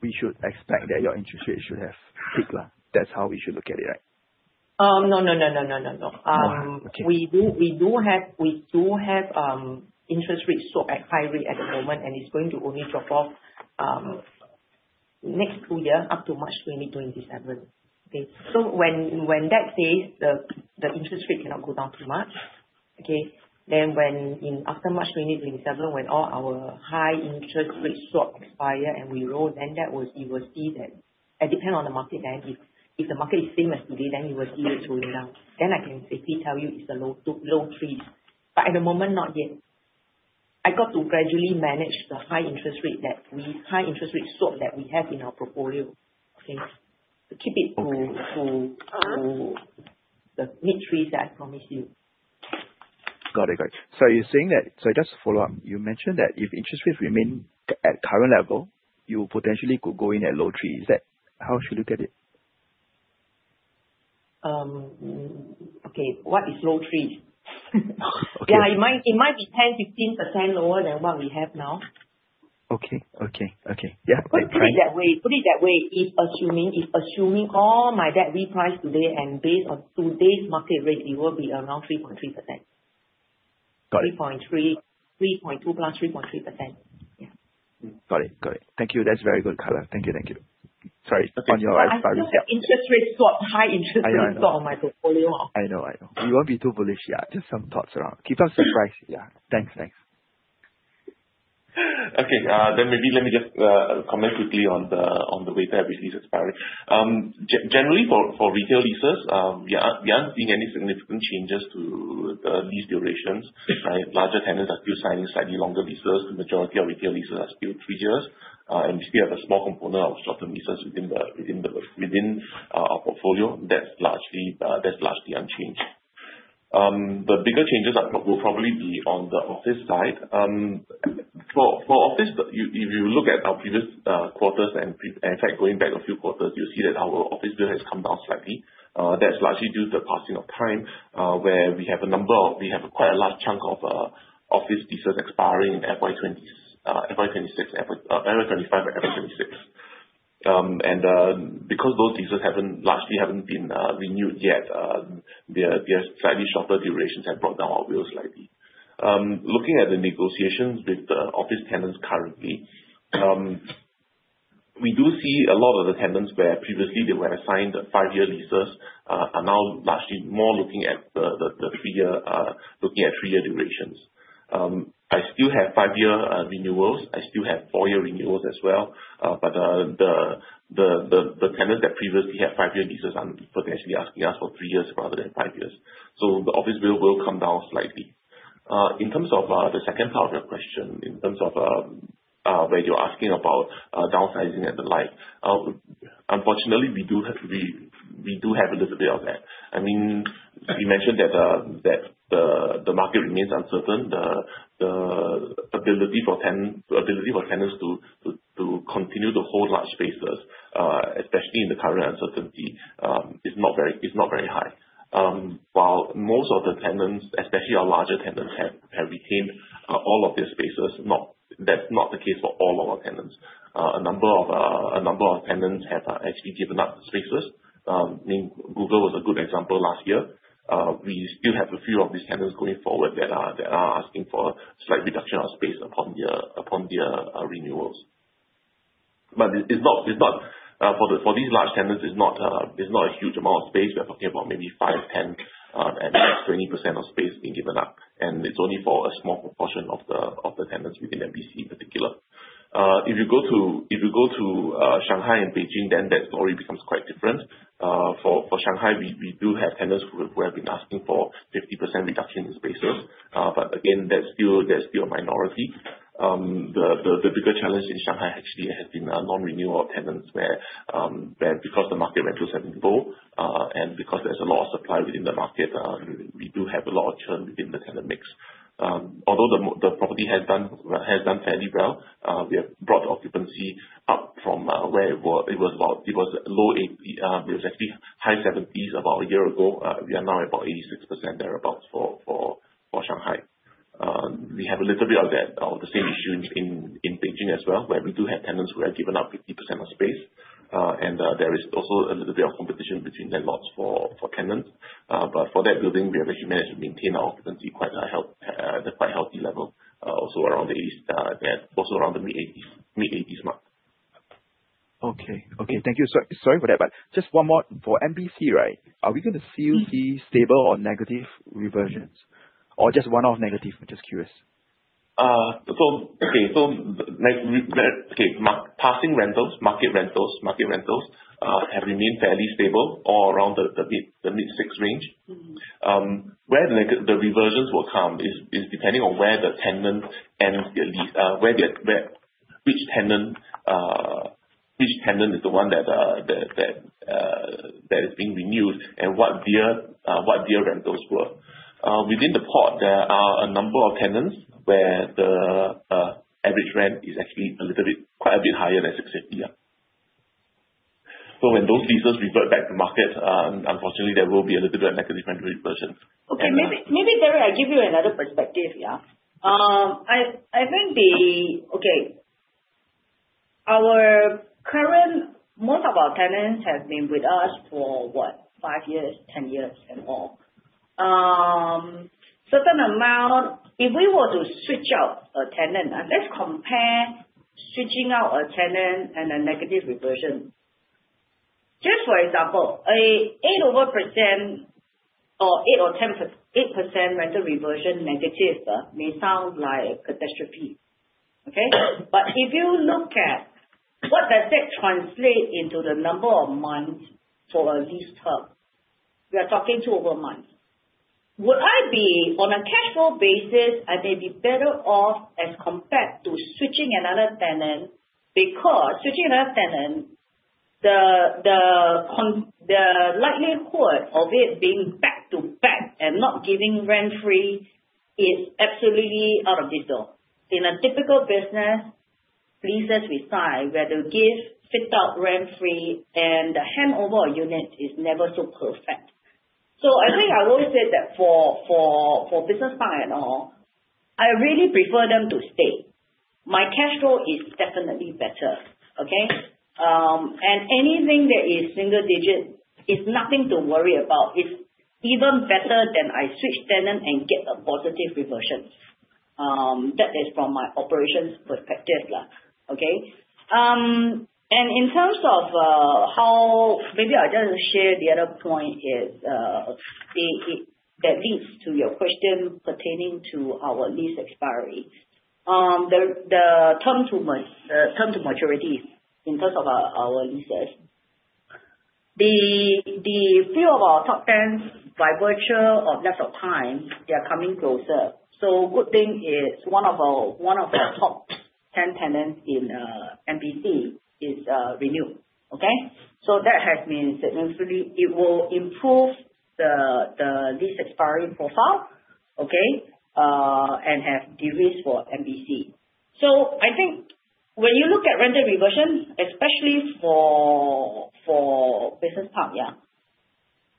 we should expect that your interest rate should have peaked. That's how we should look at it, right? no, no, no, no. Okay. We do have interest rates swap at high rate at the moment, and it's going to only drop off next two years up to March 2027. Okay. When that says the interest rate cannot go down too much, okay, then when, in after March 2027, when all our high interest rates swap expire and we roll, then you will see that. Depend on the market then. If the market is same as today, then you will see it rolling down. I can safely tell you it's a low two, low threes. At the moment, not yet. I got to gradually manage the high interest rate swap that we have in our portfolio. To the mid-threes that I promised you. Got it. You're saying that just to follow up, you mentioned that if interest rates remain at current level, you potentially could go in at low threes. Is that how I should look at it? Okay, what is low threes? Okay. Yeah, it might be 10%-15% lower than what we have now. Okay, okay. Yeah. All right. Put it that way, if assuming all my debt reprice today and based on today's market rate, it will be around 3.3%. Got it. 3.2% plus 3.3%. Yeah. Got it. Thank you. That's very good color. Thank you. Sorry. On your side. I still have interest rates swap, high interest rates swap. I know, I know. On my portfolio. I know, I know. You won't be too bullish. Yeah, just some thoughts around. Keep us apprised. Yeah. Thanks. Thanks. Okay, maybe let me just comment quickly on the way that we release expiry. Generally for retail leases, we aren't seeing any significant changes to lease durations. Right. Larger tenants are still signing slightly longer leases. The majority of retail leases are still three years. We still have a small component of shorter leases within our portfolio that's largely unchanged. The bigger changes will probably be on the office side. For office, you, if you look at our previous quarters and in fact, going back a few quarters, you'll see that our office bill has come down slightly. That's largely due to the passing of time, where we have quite a large chunk of office leases expiring in FY 2026, FY 2025 or FY 2026. Because those leases largely haven't been renewed yet, their slightly shorter durations have brought down our bills slightly. Looking at the negotiations with the office tenants currently, we do see a lot of the tenants where previously they were assigned five-year leases, are now largely more looking at the three-year, looking at three-year durations. I still have five-year renewals. I still have four-year renewals as well. The tenants that previously had five-year leases are potentially asking us for three years rather than five years. The office bill will come down slightly. In terms of the second part of your question, in terms of where you're asking about downsizing and the like, unfortunately, we do have a little bit of that. I mean, you mentioned that the market remains uncertain. The ability for tenants to continue to hold large spaces, especially in the current uncertainty, is not very high. While most of the tenants, especially our larger tenants have retained all of their spaces, That's not the case for all of our tenants. A number of tenants have actually given up spaces. I mean Google was a good example last year. We still have a few of these tenants going forward that are asking for a slight reduction of space upon their renewals. It's not for these large tenants, it's not a huge amount of space. We are talking about maybe 5%, 10%, and 20% of space being given up, and it's only for a small proportion of the tenants within MBC in particular. If you go to Shanghai and Beijing, that story becomes quite different. For Shanghai, we do have tenants who have been asking for 50% reduction in spaces. Again, there's still a minority. The, the bigger challenge in Shanghai actually has been non-renewal tenants where because the market rentals have been low, and because there's a lot of supply within the market, we do have a lot of churn within the tenant mix. Although the property has done fairly well, we have brought occupancy up from where it was about low 80s, it was actually high 70s about a year ago. We are now about 86% thereabout for Shanghai. We have a little bit of that, of the same issue in Beijing as well, where we do have tenants who have given up 50% of space. There is also a little bit of competition between landlords for tenants. For that building, we have actually managed to maintain our occupancy at a quite healthy level, around the mid-80s mark. Okay. Okay. Thank you. Sorry for that, but just one more. For MBC, right, are we gonna see stable or negative reversions? Just one-off negative? I am just curious. Passing rentals, market rentals, have remained fairly stable all around the mid-six range. Where the reversions will come is depending on where the tenant ends their lease. Which tenant is the one that is being renewed and what their rentals were. Within the port, there are a number of tenants where the average rent is actually a little bit, quite a bit higher than 650 yeah. When those leases revert back to market, unfortunately there will be a little bit of negative rent reversions. Okay. Maybe, Gary, I give you another perspective, yeah. I think the Okay. Most of our tenants have been with us for what? Five years, 10 years, and more. Certain amount, if we were to switch out a tenant, and let's compare switching out a tenant and a negative reversion. Just for example, a 8% over percent or 8% or 10%, 8% rental reversion negative, may sound like a catastrophe. Okay. If you look at what does that translate into the number of months for a lease term, we are talking two over months. On a cash flow basis, I may be better off as compared to switching another tenant, because switching another tenant, the likelihood of it being back-to-back and not giving rent-free is absolutely out of this door. In a typical business, leases beside where they give fit-out rent-free and the handover unit is never so perfect. I think I've always said that for business park and all, I really prefer them to stay. My cash flow is definitely better. Okay. Anything that is single digit is nothing to worry about. It's even better than I switch tenant and get a positive reversion. That is from my operations perspective, yeah. Okay. Maybe I just share the other point is, that leads to your question pertaining to our lease expiry. The term to maturities in terms of our leases. The few of our top tenants by virtue of length of time, they are coming closer. Good thing is one of our top 10 tenants in MBC is renewed. Okay? It will improve the lease expiry profile, okay, and have de-risk for MBC. I think when you look at rental reversions, especially for business park, yeah,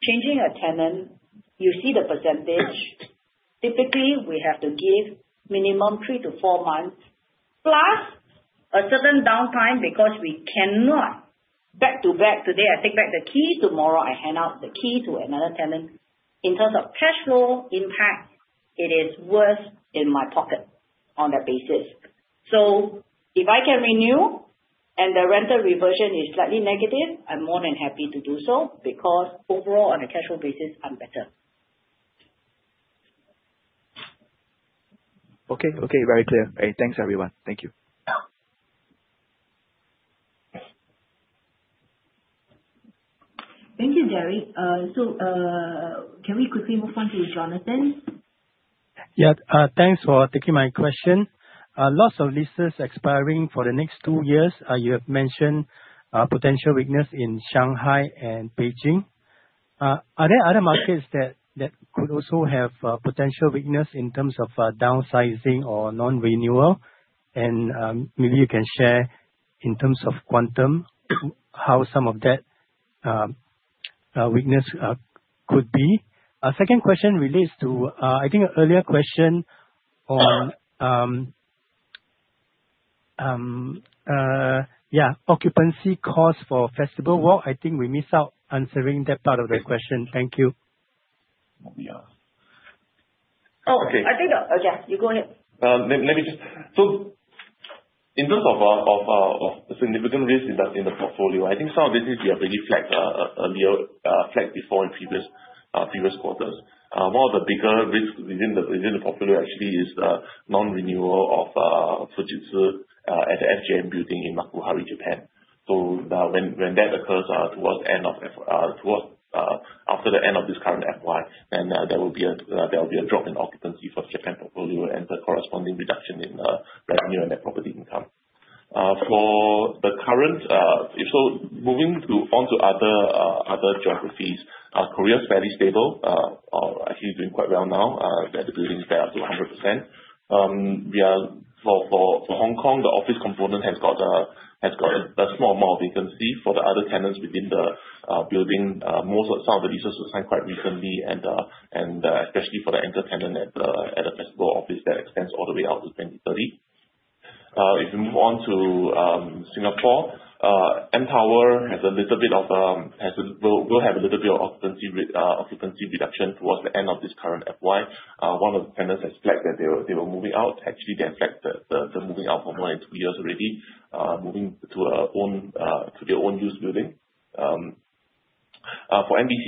changing a tenant, you see the percentage. Typically, we have to give minimum three to four months, plus a certain downtime because we cannot back-to-back. Today, I take back the key, tomorrow I hand out the key to another tenant. In terms of cash flow impact, it is worse in my pocket on that basis. If I can renew and the rental reversion is slightly negative, I'm more than happy to do so because overall on a cash flow basis, I'm better. Okay. Okay. Very clear. All right. Thanks, everyone. Thank you. Thank you, Gary. Can we quickly move on to Jonathan? Thanks for taking my question. Lots of leases expiring for the next two years. You have mentioned potential weakness in Shanghai and Beijing. Are there other markets that could also have potential weakness in terms of downsizing or non-renewal? Maybe you can share in terms of quantum how some of that weakness could be. Second question relates to I think an earlier question on yeah, occupancy costs for Festival Walk. I think we missed out answering that part of the question. Thank you. Yeah. Oh, I think yeah, you go ahead. Let me just so in terms of the significant risk in the portfolio, I think some of this we have really flagged earlier, flagged before in previous quarters. One of the bigger risks within the portfolio actually is non-renewal of Fujitsu at the SGM building in Makuhari, Japan. When that occurs towards end of this current FY, then there will be a drop in occupancy for Japan portfolio and the corresponding reduction in revenue and net property income. For the current. Moving on to other geographies, Korea is fairly stable, actually doing quite well now. Their buildings are up to 100%. We are for Hong Kong, the office component has a small amount of vacancy. For the other tenants within the building, some of the leases were signed quite recently, especially for the anchor tenant at the Festival office that extends all the way out to 2030. If you move on to Singapore, mTower has a little bit of occupancy reduction towards the end of this current FY. One of the tenants has flagged that they were moving out. Actually, they have flagged the moving out for more than two years already, moving to a own, to their own used building. For MBC,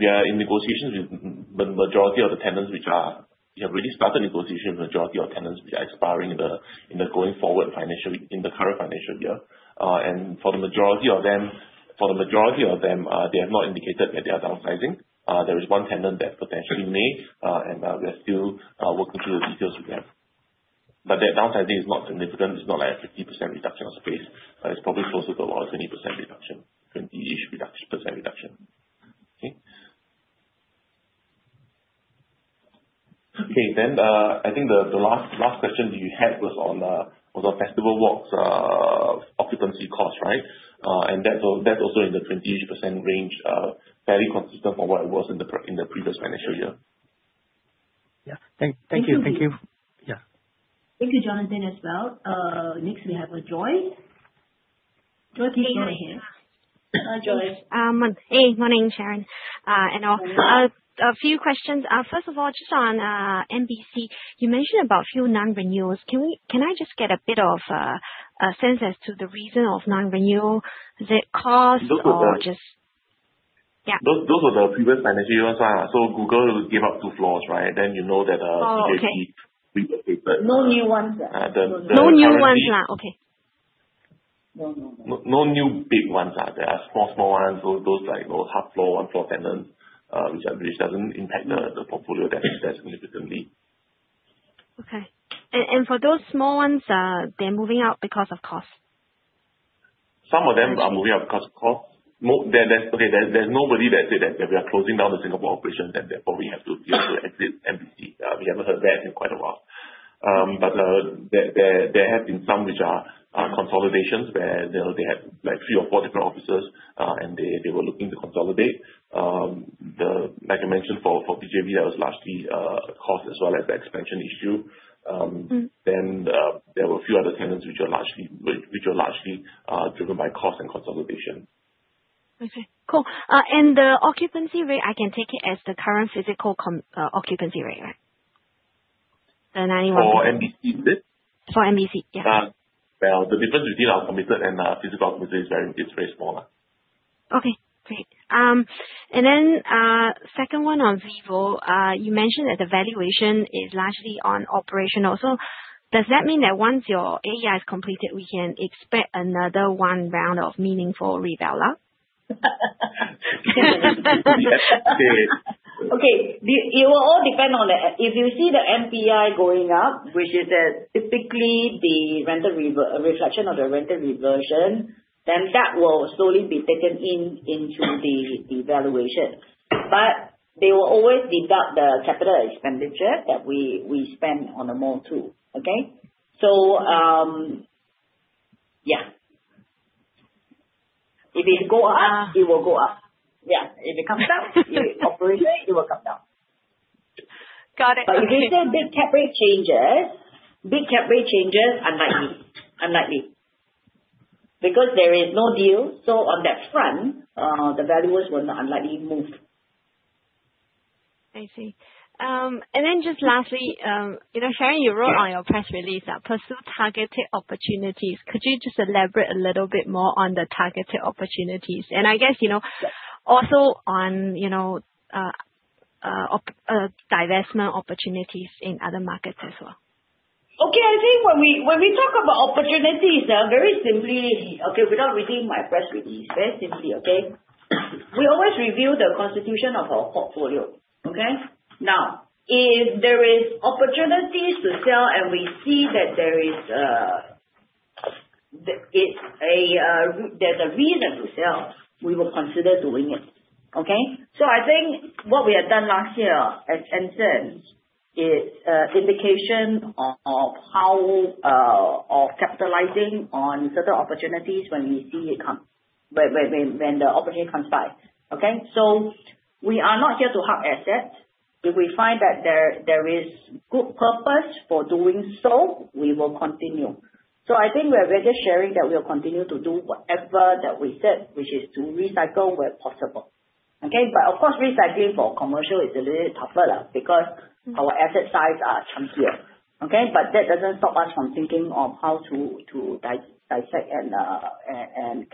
we are in negotiations with majority of the tenants which are, you know, really started negotiation with majority of tenants which are expiring in the current financial year. For the majority of them, they have not indicated that they are downsizing. There is one tenant that potentially may, and we are still working through the details with them. Their downsizing is not significant. It's not like a 50% reduction of space. It's probably closer to more or 20%-ish reduction. I think the last question you had was on Festival Walk's occupancy cost, right? That's also in the 20%-ish range, fairly consistent from what it was in the previous financial year. Yeah. Thank you. Thank you. Yeah. Thank you, Jonathan, as well. Next we have Joy. Joy, please go ahead. Hey, Sharon. Hi, Joy. Hey, morning, Sharon, and all. Morning. A few questions. First of all, just on MBC, you mentioned about few non-renewals. Can I just get a bit of sense as to the reason of non-renewal? Is it cost or just- Those were the previous financial year ones. Google gave up two floors, right? You know that, Oh, okay. P&G leased those spaces. No new ones. Uh, the currently- No new ones, huh? Okay. No new ones. No new big ones are. There are small ones, those like, you know, half floor, one floor tenants, which doesn't impact the portfolio that significantly. Okay. For those small ones, they're moving out because of cost? Some of them are moving out because of cost. There's nobody that said that, "We are closing down the Singapore operations and therefore we have to exit MBC." We haven't heard that in quite a while. There have been some which are consolidations where, you know, they have like three or four different offices, and they were looking to consolidate. The Like I mentioned, for PJB, that was largely cost as well as the expansion issue. There were a few other tenants which are largely driven by cost and consolidation. Okay. Cool. The occupancy rate, I can take it as the current physical occupancy rate, right? The 91%. For MBC, is it? For MBC, yeah. Well, the difference between our committed and physical occupancy is very small. Okay, great. Second one on VivoCity, you mentioned that the valuation is largely on operational. Does that mean that once your AEI is completed, we can expect another one round of meaningful reval? Yes. Okay. It will all depend on if you see the NPI going up, which is typically a reflection of the rental reversion, that will slowly be taken into the valuation. They will always deduct the capital expenditure that we spend on the mall too. If it go up, it will go up. If it comes down, if it's operational, it will come down. Got it. If you say big cap rate changes, big cap rate changes are unlikely. Unlikely. There is no deal, on that front, the valuers will not unlikely move. I see. Just lastly, you know, Sharon, you wrote on your press release that pursue targeted opportunities. Could you just elaborate a little bit more on the targeted opportunities? I guess, you know, also on, you know, divestment opportunities in other markets as well. I think when we, when we talk about opportunities, very simply, without reading my press release, very simply, we always review the constitution of our portfolio. If there is opportunities to sell and we see that there is a reason to sell, we will consider doing it. I think what we have done last year at Anson is indication of how of capitalizing on certain opportunities when we see it come when the opportunity comes by. We are not here to hug assets. If we find that there is good purpose for doing so, we will continue. I think we are really sharing that we will continue to do whatever that we said, which is to recycle where possible. Of course, recycling for commercial is a little tougher because our asset size are chunkier. Okay. That doesn't stop us from thinking of how to dissect and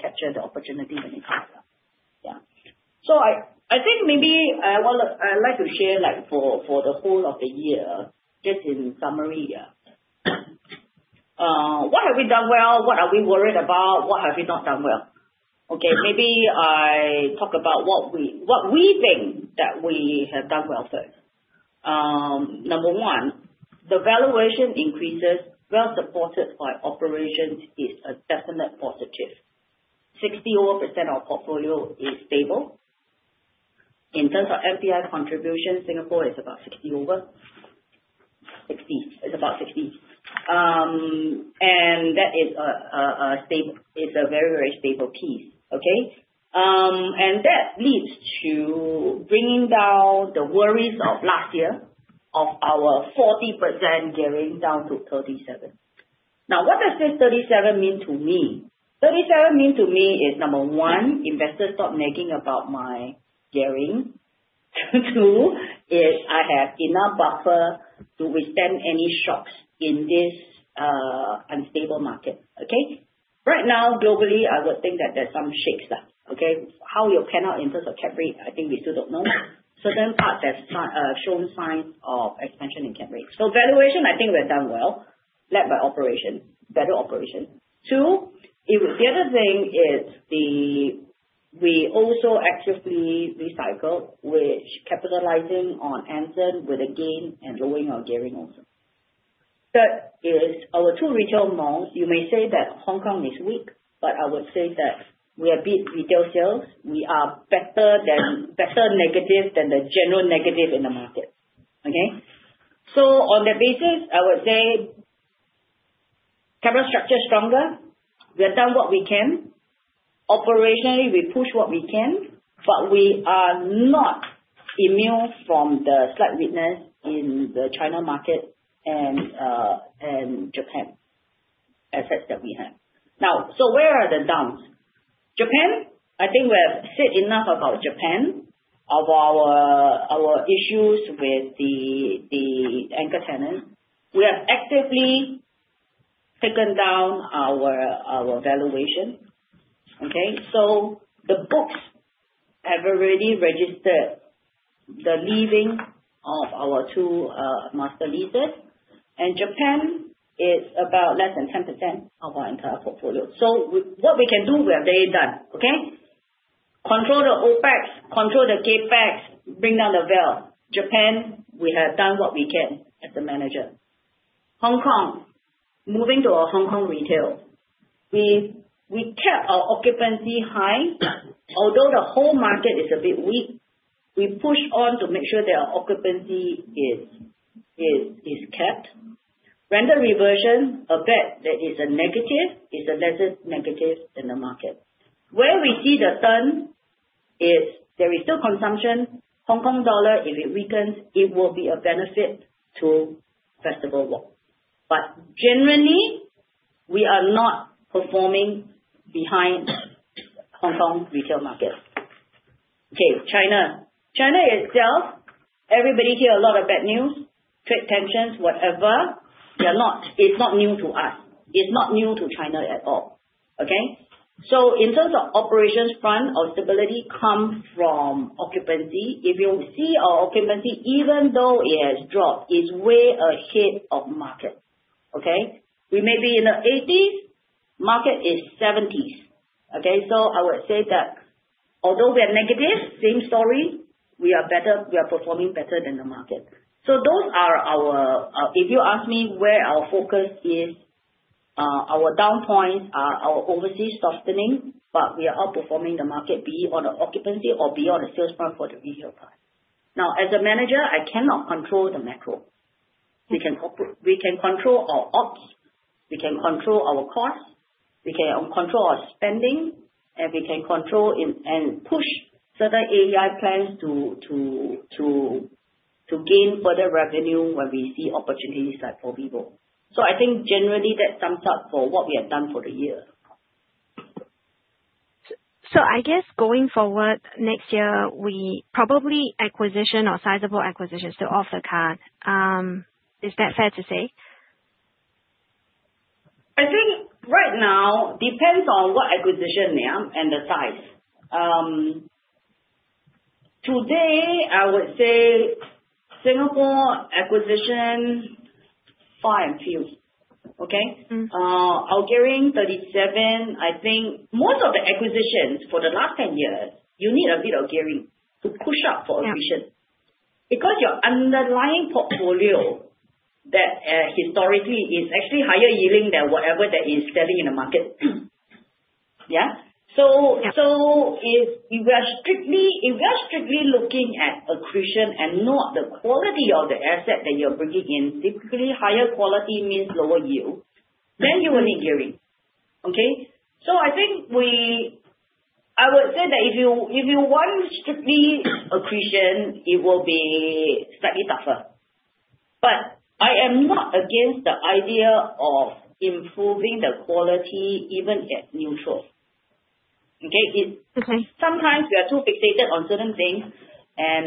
capture the opportunity when it comes. I think maybe I'd like to share, like, for the whole of the year, just in summary, yeah. What have we done well? What are we worried about? What have we not done well? Okay. Maybe I talk about what we think that we have done well first. Number one, the valuation increases well supported by operations is a definite positive. Over 60% of portfolio is stable. In terms of NPI contribution, Singapore is about 60% over. It's about 60%. It's a very, very stable piece. Okay. That leads to bringing down the worries of last year of our 40% gearing down to 37%. Now, what does this 37% mean to me? 37% mean to me is, number one, investors stop nagging about my gearing. Two, is I have enough buffer to withstand any shocks in this unstable market. Right now, globally, I would think that there's some shapes left. How you cannot assess a cap rate, I think we still don't know. Certain parts that start showing signs of expansion in cap rates. So valuation, I think we've done well, led by operations, better operations. The other thing is we also actively recycle, capitalizing on Anson with a gain and lowering our gearing also. Third is our two retail malls. You may say that Hong Kong is weak, I would say that we are big retail sales. We are better than negative than the general negative in the market. Okay? On that basis, I would say capital structure is stronger. We've done what we can. Operationally, we push what we can, but we are not immune from the slight weakness in the China market and Japan assets that we have. Where are the downs? Japan, I think we have said enough about Japan, of our issues with the anchor tenant. We have actively taken down our valuation. Okay? The books have already registered the leaving of our two master leases. Japan is about less than 10% of our entire portfolio. What we can do, we have already done. Okay? Control the OpEx, control the CapEx, bring down the val. Japan, we have done what we can as the manager. Hong Kong. Moving to our Hong Kong retail. We kept our occupancy high. Although the whole market is a bit weak, we push on to make sure that our occupancy is kept. Rental reversion, a bit there is a negative. It's a lesser negative than the market. Where we see the turn is there is still consumption. Hong Kong dollar, if it weakens, it will be a benefit to Festival Walk. Generally, we are not performing behind Hong Kong retail market. China. China itself, everybody hear a lot of bad news, trade tensions, whatever. It's not new to us. It's not new to China at all. In terms of operations front, our stability comes from occupancy. If you see our occupancy, even though it has dropped, it's way ahead of market. Okay? We may be in the 80s, market is 70s. Okay? I would say that although we are negative, same story, we are better, we are performing better than the market. Those are our, if you ask me where our focus is, our down points are our overseas softening, but we are outperforming the market, be it on the occupancy or be it on the sales front for the retail part. As a manager, I cannot control the macro. We can control our ops. We can control our costs. We can control our spending, and we can control and push certain AEI plans to gain further revenue when we see opportunities like VivoCity. I think generally that sums up for what we have done for the year. I guess going forward next year, we probably acquisition or sizable acquisitions are off the card. Is that fair to say? I think right now, depends on what acquisition now and the size. Today I would say Singapore acquisition, far and few. Okay. Our gearing 37%, I think most of the acquisitions for the last 10 years, you need a bit of gearing to push up. Yeah. Acquisitions. Your underlying portfolio that, historically is actually higher yielding than whatever that is selling in the market. Yeah. Yeah. If we are strictly looking at accretion and not the quality of the asset that you're bringing in, typically higher quality means lower yield. You will need gearing. Okay? I would say that if you, if you want strictly accretion, it will be slightly tougher. I am not against the idea of improving the quality even at neutral. Okay? Sometimes we are too fixated on certain things and,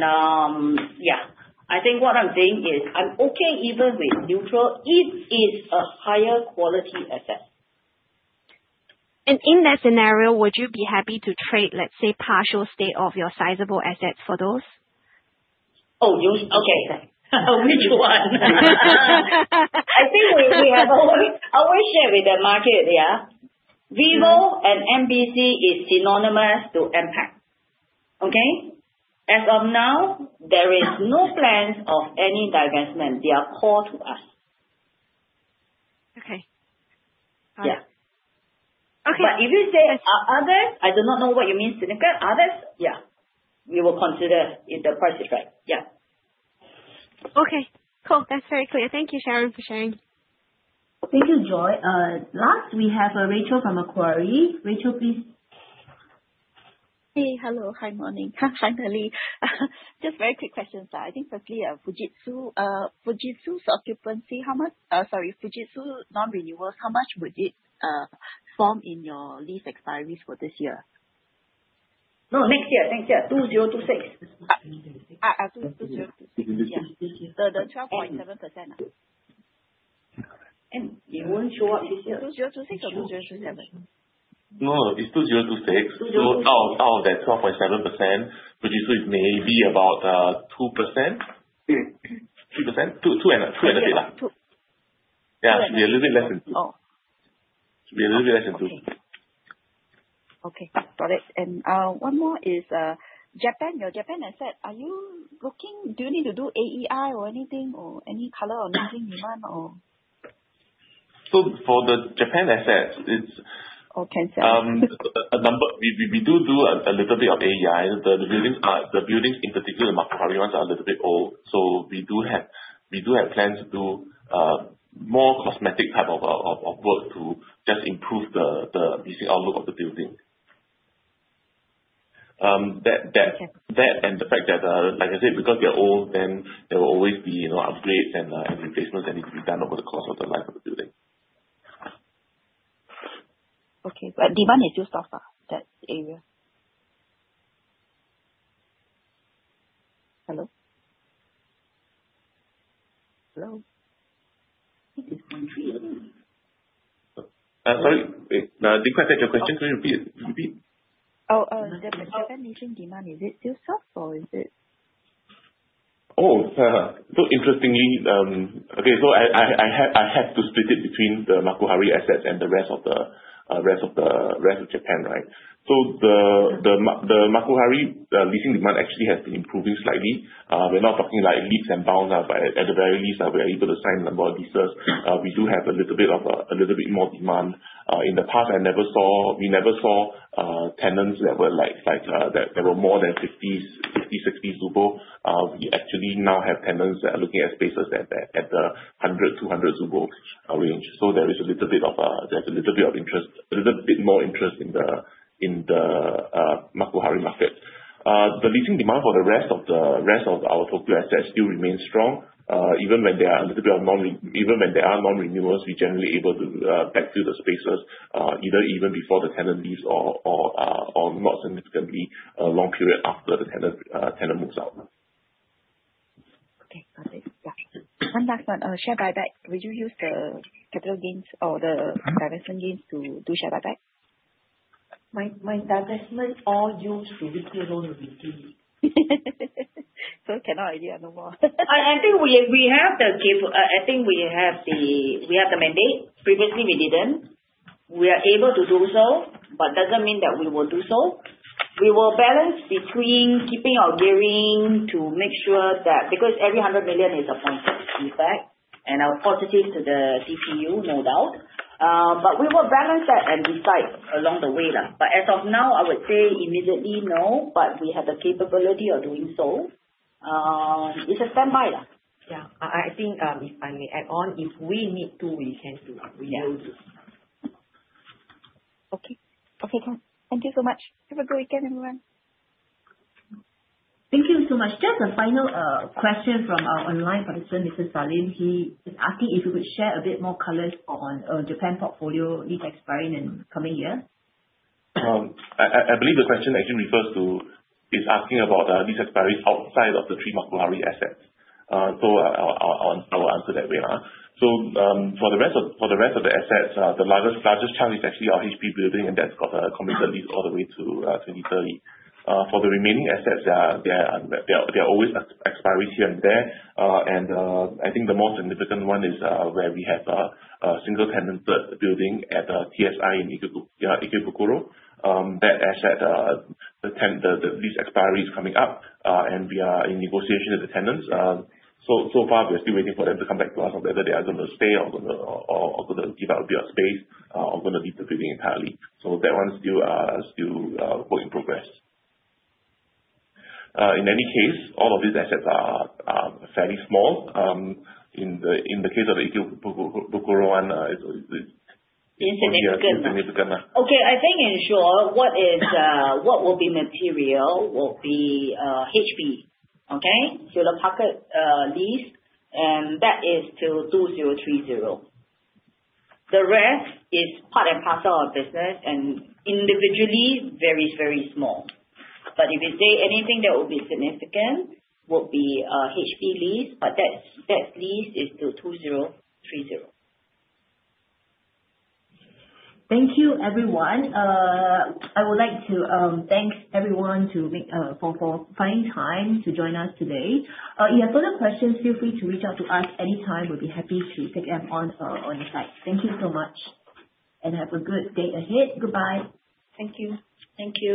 yeah. I think what I'm saying is I'm okay even with neutral if it's a higher quality asset. In that scenario, would you be happy to trade, let's say, partial state of your sizable assets for those? Oh, you-. Okay. Which one? I think we have always shared with the market, yeah. VivoCity and MBC are synonymous with MPACT. Okay. As of now, there are no plans of any divestment. They are core to us. Okay. All right. Yeah. Okay. If you say others, I do not know what you mean, significant others. Yeah. We will consider if the price is right. Yeah. Okay, cool. That's very clear. Thank you, Sharon, for sharing. Thank you, Joy. Last we have Rachel from Macquarie. Rachel, please. Hey. Hello. Hi. Morning. Finally. Just very quick questions. I think firstly, Fujitsu's occupancy. Fujitsu non-renewals, how much would it form in your lease expiries for this year? No, next year, next year, 2026. 2026. Yeah. 2026. The 12.7%. It won't show up this year. 2026 or 2027? No, it's 2026. 2026. Out of that 12.7%, Fujitsu is maybe about 2%. 2%. 2.5%. 2%. Yeah. It'll be a little bit less than 2%. Oh. It'll be a little bit less than 2%. Okay. Okay, got it. One more is, Japan, your Japan asset, Do you need to do AEI or anything or any color on leasing demand or? So for the Japan assets, it's- Can sell. We do a little bit of AEI. The buildings, in particular the Makuhari ones, are a little bit old, so we do have plans to do more cosmetic type of work to just improve the leasing outlook of the building. Okay. That and the fact that, like I said, because they're old, then there will always be, you know, upgrades and replacements that need to be done over the course of the life of the building. Okay. Demand is still soft, that area? Hello? Hello? Sorry. Wait. I didn't quite catch your question. Can you repeat it? Repeat. Oh, the Japan leasing demand, is it still soft or is it? Interestingly, I have to split it between the Makuhari assets and the rest of Japan, right? The Makuhari leasing demand actually has been improving slightly. We're not talking like leaps and bounds, but at the very least, we are able to sign a number of leases. We do have a little bit more demand. In the past, I never saw, we never saw tenants that were like that there were more than 50, 60 tsubo. We actually now have tenants that are looking at spaces at the 100, 200 tsubo range. There's a little bit of interest, a little bit more interest in the Makuhari market. The leasing demand for the rest of our Tokyo assets still remains strong. Even when there are non-renewals, we're generally able to backfill the spaces, either even before the tenant leaves or not significantly a long period after the tenant moves out. Okay. Got it. Yeah. One last one. Share buyback. Would you use the capital gains or the divestment gains to do share buyback? My divestment all used to reduce the loan with the bank. Cannot idea no more. I think we have the mandate. Previously, we didn't. We are able to do so, but doesn't mean that we will do so. We will balance between keeping or gearing to make sure that, because every 100 million is a 0.6 impact and are positive to the DPU, no doubt. We will balance that and decide along the way there. As of now, I would say immediately, no, but we have the capability of doing so. It's a standby now. Yeah. I think, if I may add on, if we need to, we can do. Yeah. We will do. Okay. Okay. Thank you so much. Have a great day, everyone. Thank you so much. Just a final question from our online participant, Mrs. Darleen. She is asking if you could share a bit more colors on Japan portfolio lease expiring in coming year. I believe the question actually refers to lease expiries outside of the three Makuhari assets. I'll answer that way. For the rest of the assets, the largest chunk is actually our HP building, and that's got a committed lease all the way to 2030. For the remaining assets, there are always expiries here and there. I think the most significant one is where we have a single tenanted building at TSI in Ikebukuro. That asset, the lease expiry is coming up, we are in negotiation with the tenants. So far we're still waiting for them to come back to us on whether they are gonna stay or gonna or gonna give out their space, or gonna leave the building entirely. That one's still work in progress. In any case, all of these assets are fairly small. In the case of the Ikebukuro one, it's. Insignificant. Okay. I think in short, what is, what will be material will be HP. Okay. The pocket, lease, and that is till 2030. The rest is part and parcel of business and individually very, very small. If you say anything that will be significant, would be HP lease, that lease is till 2030. Thank you, everyone. I would like to thank everyone for finding time to join us today. If you have further questions, feel free to reach out to us anytime. We'll be happy to take them on the side. Thank you so much and have a good day ahead. Goodbye. Thank you. Thank you.